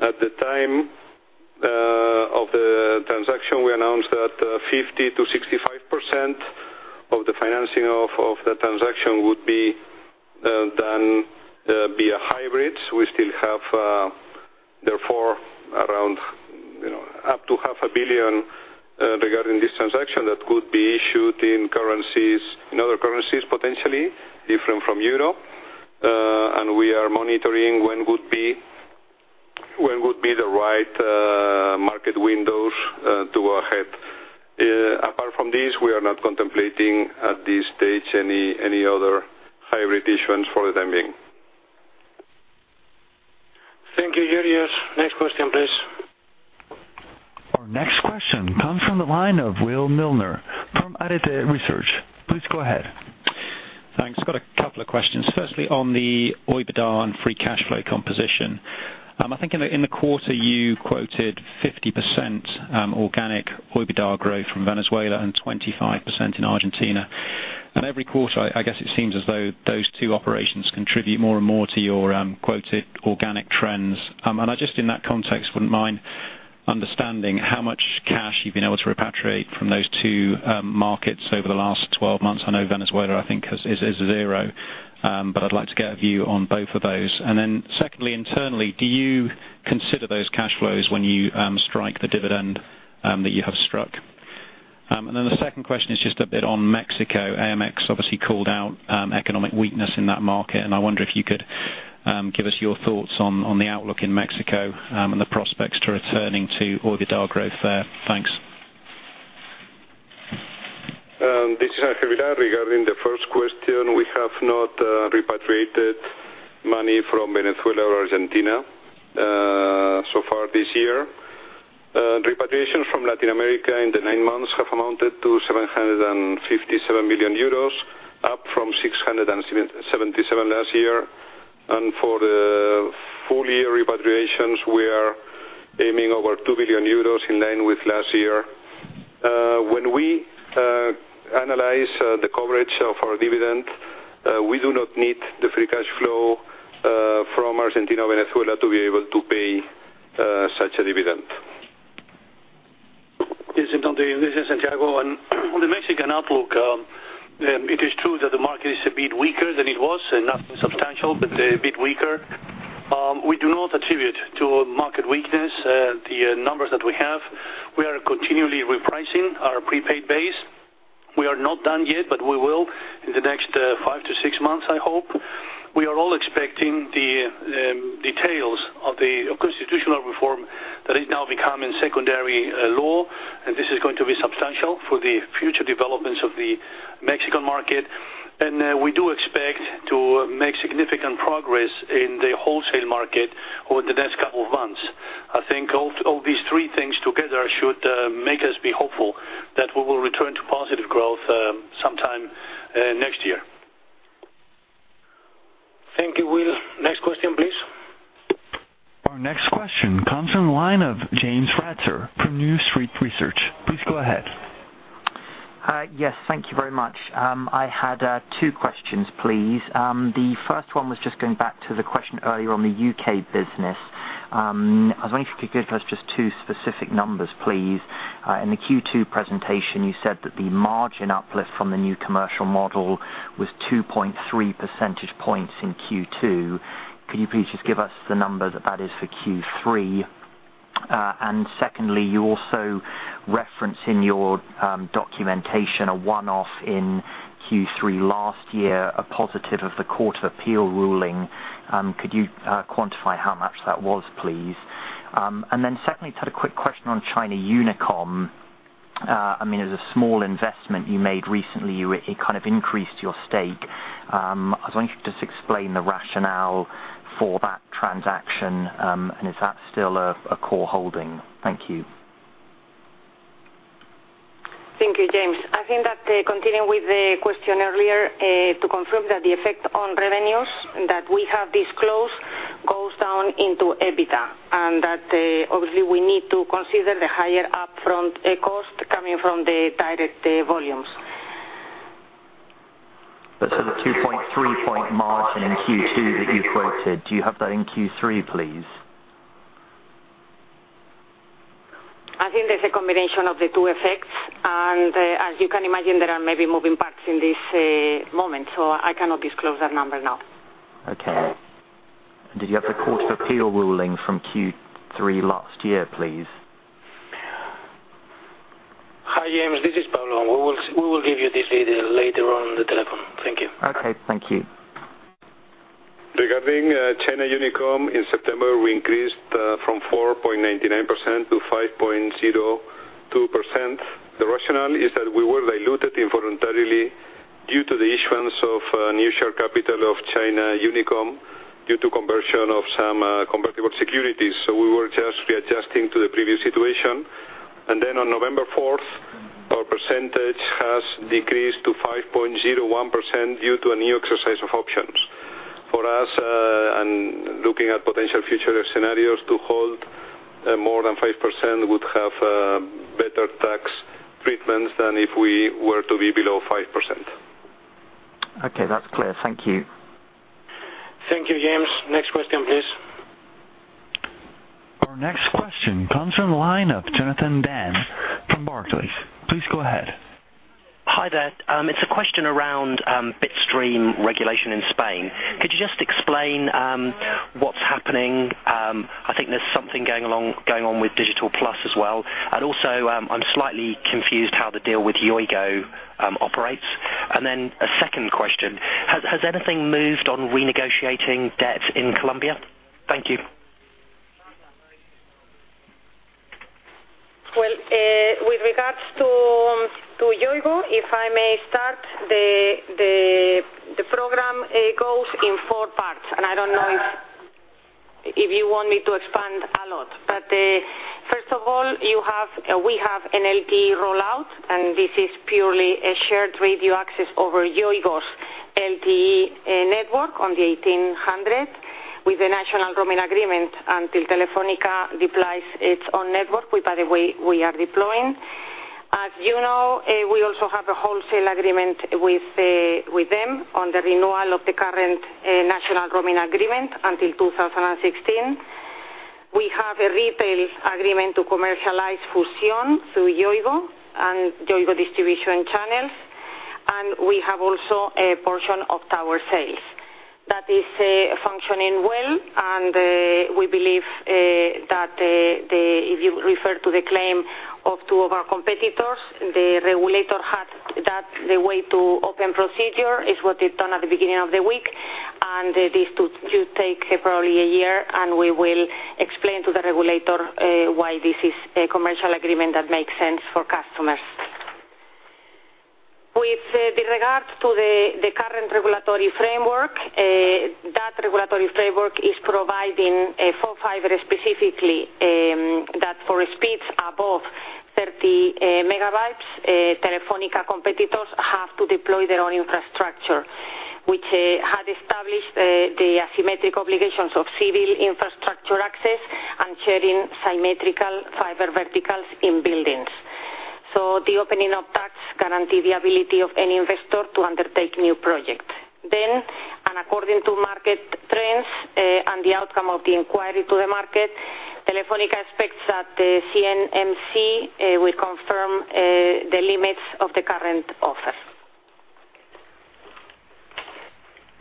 At the time of the transaction, we announced that 50%-65% of the financing of the transaction would be done via hybrids. We still have, therefore, around up to half a billion regarding this transaction that could be issued in other currencies, potentially different from euro. We are monitoring when would be the right market windows to go ahead. Apart from this, we are not contemplating at this stage any other hybrid issuance for the time being. Thank you, Georgios. Next question, please. Our next question comes from the line of Will Milner from Arete Research. Please go ahead. Thanks. Got a couple of questions. Firstly, on the OIBDA and free cash flow composition. I think in the quarter, you quoted 50% organic OIBDA growth from Venezuela and 25% in Argentina. Every quarter, I guess it seems as though those two operations contribute more and more to your quoted organic trends. I just, in that context, wouldn't mind understanding how much cash you've been able to repatriate from those two markets over the last 12 months. I know Venezuela, I think, is zero. I'd like to get a view on both of those. Secondly, internally, do you consider those cash flows when you strike the dividend that you have struck? The second question is just a bit on Mexico. AMX obviously called out economic weakness in that market. I wonder if you could give us your thoughts on the outlook in Mexico and the prospects to returning to OIBDA growth there. Thanks. This is Ángel Vilá. Regarding the first question, we have not repatriated money from Venezuela or Argentina so far this year. Repatriations from Latin America in the nine months have amounted to 757 million euros, up from 677 million last year. For the full year repatriations, we are aiming over 2 billion euros, in line with last year. When we analyze the coverage of our dividend, we do not need the free cash flow from Argentina or Venezuela to be able to pay such a dividend. This is Santiago. On the Mexican outlook, it is true that the market is a bit weaker than it was, nothing substantial, but a bit weaker. We do not attribute to market weakness the numbers that we have. We are continually repricing our prepaid base. We are not done yet, but we will in the next five to six months, I hope. We are all expecting the details of the constitutional reform that is now becoming secondary law, and this is going to be substantial for the future developments of the Mexican market. We do expect to make significant progress in the wholesale market over the next couple of months. I think all these three things together should make us be hopeful that we will return to positive growth sometime next year. Thank you, Will. Next question, please. Our next question comes from the line of James Ratzer from New Street Research. Please go ahead. Yes, thank you very much. I had two questions, please. The first one was just going back to the question earlier on the U.K. business. I was wondering if you could give us just two specific numbers, please. In the Q2 presentation, you said that the margin uplift from the new commercial model was 2.3 percentage points in Q2. Could you please just give us the number that is for Q3? Secondly, you also reference in your documentation a one-off in Q3 last year, a positive of the Court of Appeal ruling. Could you quantify how much that was, please? Then secondly, just had a quick question on China Unicom. It was a small investment you made recently. You increased your stake. I was wondering if you could just explain the rationale for that transaction, and is that still a core holding? Thank you. Thank you, James. I think that continuing with the question earlier, to confirm that the effect on revenues that we have disclosed goes down into EBITDA, and that obviously we need to consider the higher upfront cost coming from the direct volumes. The 3.3 point margin in Q2 that you quoted, do you have that in Q3, please? I think there's a combination of the two effects, and as you can imagine, there are maybe moving parts in this moment, so I cannot disclose that number now. Okay. Did you have the Court of Appeal ruling from Q3 last year, please? Hi, James. This is Pablo. We will give you this data later on the telephone. Thank you. Okay. Thank you. Regarding China Unicom, in September, we increased from 4.99% to 5.02%. The rationale is that we were diluted involuntarily due to the issuance of new share capital of China Unicom due to conversion of some convertible securities. We were just readjusting to the previous situation. On November 4th, our percentage has decreased to 5.01% due to a new exercise of options. For us, and looking at potential future scenarios to hold more than 5% would have better tax treatments than if we were to be below 5%. Okay. That's clear. Thank you. Thank you, James. Next question, please. Our next question comes from the line of Jonathan Dann from Barclays. Please go ahead. Hi there. It's a question around bitstream regulation in Spain. Could you just explain what's happening? I think there's something going on with Digital+ as well. Also, I'm slightly confused how the deal with Yoigo operates. Then a second question, has anything moved on renegotiating debt in Colombia? Thank you. Well, with regards to Yoigo, if I may start, the program goes in four parts. I don't know if you want me to expand a lot. First of all, we have an LTE rollout. This is purely a shared radio access over Yoigo's LTE network on the 1800, with the national roaming agreement until Telefónica deploys its own network, which by the way, we are deploying. As you know, we also have a wholesale agreement with them on the renewal of the current national roaming agreement until 2016. We have a retail agreement to commercialize Fusión through Yoigo and Yoigo distribution channels. We have also a portion of tower sales. That is functioning well. We believe that if you refer to the claim of two of our competitors, the regulator had that the way to open procedure is what they've done at the beginning of the week. This should take probably a year, and we will explain to the regulator why this is a commercial agreement that makes sense for customers. With regards to the current regulatory framework, that regulatory framework is providing for fiber specifically, that for speeds above 30 megabytes, Telefónica competitors have to deploy their own infrastructure, which had established the asymmetric obligations of civil infrastructure access and sharing symmetrical fiber verticals in buildings. The opening of that guarantee the ability of any investor to undertake new projects. According to market trends and the outcome of the inquiry to the market, Telefónica expects that the CNMC will confirm the limits of the current offer.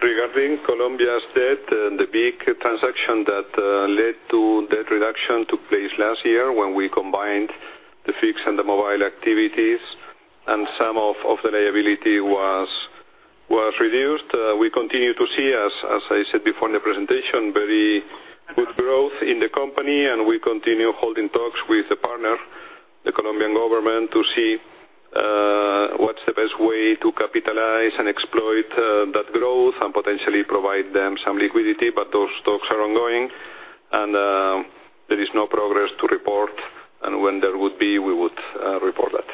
Regarding Colombia's debt, the big transaction that led to debt reduction took place last year when we combined the fixed and the mobile activities, some of the liability was reduced. We continue to see, as I said before in the presentation, very good growth in the company, we continue holding talks with the partner, the Colombian government, to see what's the best way to capitalize and exploit that growth and potentially provide them some liquidity. Those talks are ongoing, there is no progress to report, when there would be, we would report that.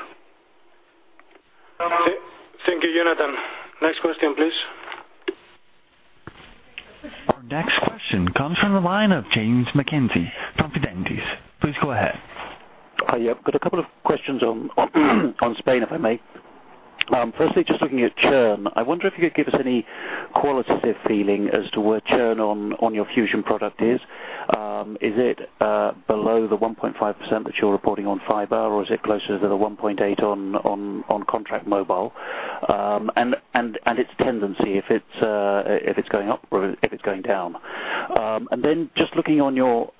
Thank you, Jonathan. Next question, please. Our next question comes from the line of James McKenzie from Fidentiis. Please go ahead. Just looking at churn, I wonder if you could give us any qualitative feeling as to where churn on your Fusion product is. Is it below the 1.5% that you're reporting on fiber, or is it closer to the 1.8% on contract mobile? Its tendency, if it's going up or if it's going down. Just looking on your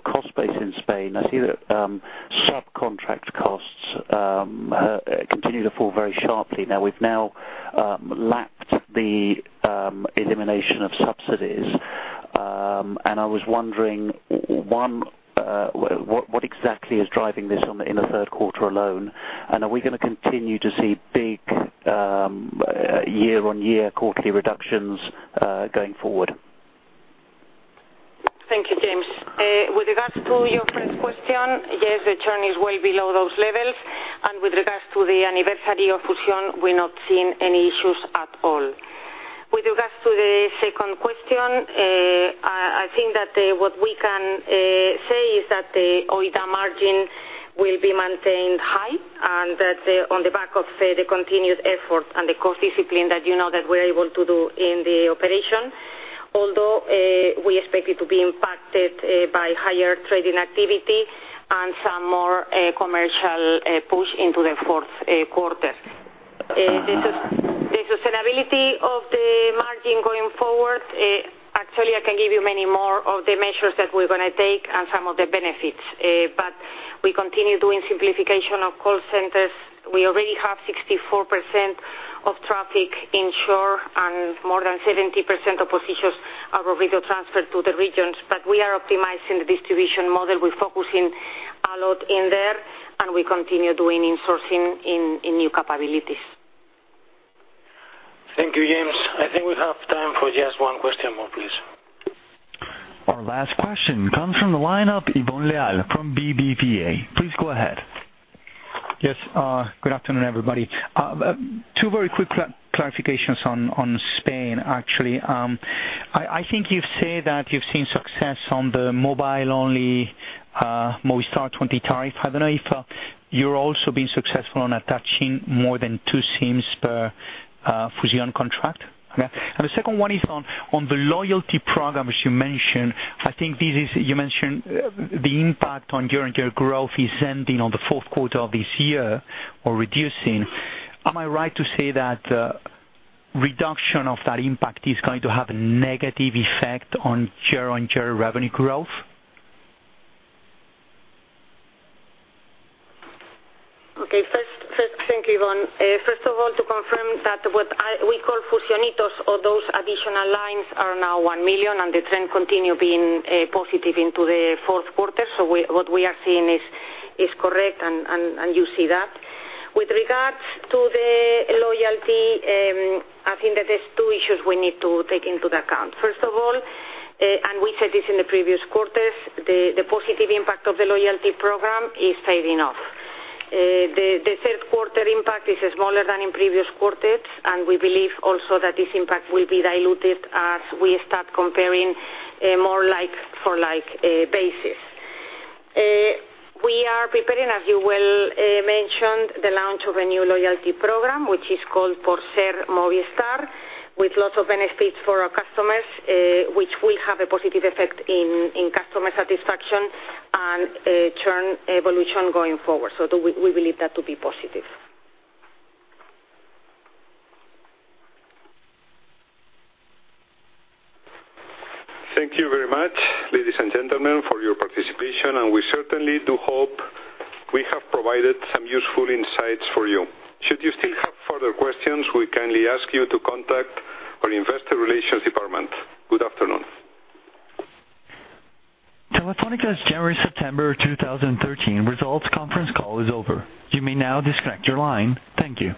cost base in Spain, I see that subcontract costs continue to fall very sharply. Now we've now lapped the elimination of subsidies. I was wondering, one, what exactly is driving this in the third quarter alone? Are we going to continue to see big year-on-year quarterly reductions going forward? Thank you, James. With regards to your first question, yes, the churn is way below those levels, and with regards to the anniversary of Fusion, we're not seeing any issues at all. With regards to the second question, I think that what we can say is that the OIBDA margin will be maintained high, and that on the back of the continued effort and the cost discipline that you know that we're able to do in the operation. We expect it to be impacted by higher trading activity and some more commercial push into the fourth quarter. The sustainability of the margin going forward, actually, I can give you many more of the measures that we're going to take and some of the benefits. We continue doing simplification of call centers. We already have 64% of traffic in shore and more than 70% of positions are already transferred to the regions. We are optimizing the distribution model. We're focusing a lot in there, and we continue doing insourcing in new capabilities. Thank you, James. I think we have time for just one question more, please. Our last question comes from the line of Ivón Leal from BBVA. Please go ahead. Yes. Good afternoon, everybody. Two very quick clarifications on Spain, actually. I think you've said that you've seen success on the mobile-only Movistar 20 tariff. I don't know if you're also being successful in attaching more than two SIMs per Fusion contract. Okay. The second one is on the loyalty program, as you mentioned. I think you mentioned the impact on year-on-year growth is ending on the fourth quarter of this year or reducing. Am I right to say that reduction of that impact is going to have a negative effect on year-on-year revenue growth? Okay. Thank you, Ivón. First of all, to confirm that what we call Fusionitos or those additional lines are now 1 million, and the trend continue being positive into the fourth quarter. What we are seeing is correct, and you see that. With regards to the loyalty, I think that there's two issues we need to take into account. First of all, we said this in the previous quarters, the positive impact of the loyalty program is fading off. The third quarter impact is smaller than in previous quarters, and we believe also that this impact will be diluted as we start comparing a more like-for-like basis. We are preparing, as you well mentioned, the launch of a new loyalty program, which is called Por Ser Movistar, with lots of benefits for our customers, which will have a positive effect in customer satisfaction and churn evolution going forward. We believe that to be positive. Thank you very much, ladies and gentlemen, for your participation, and we certainly do hope we have provided some useful insights for you. Should you still have further questions, we kindly ask you to contact our investor relations department. Good afternoon. Telefónica's January, September 2013 results conference call is over. You may now disconnect your line. Thank you.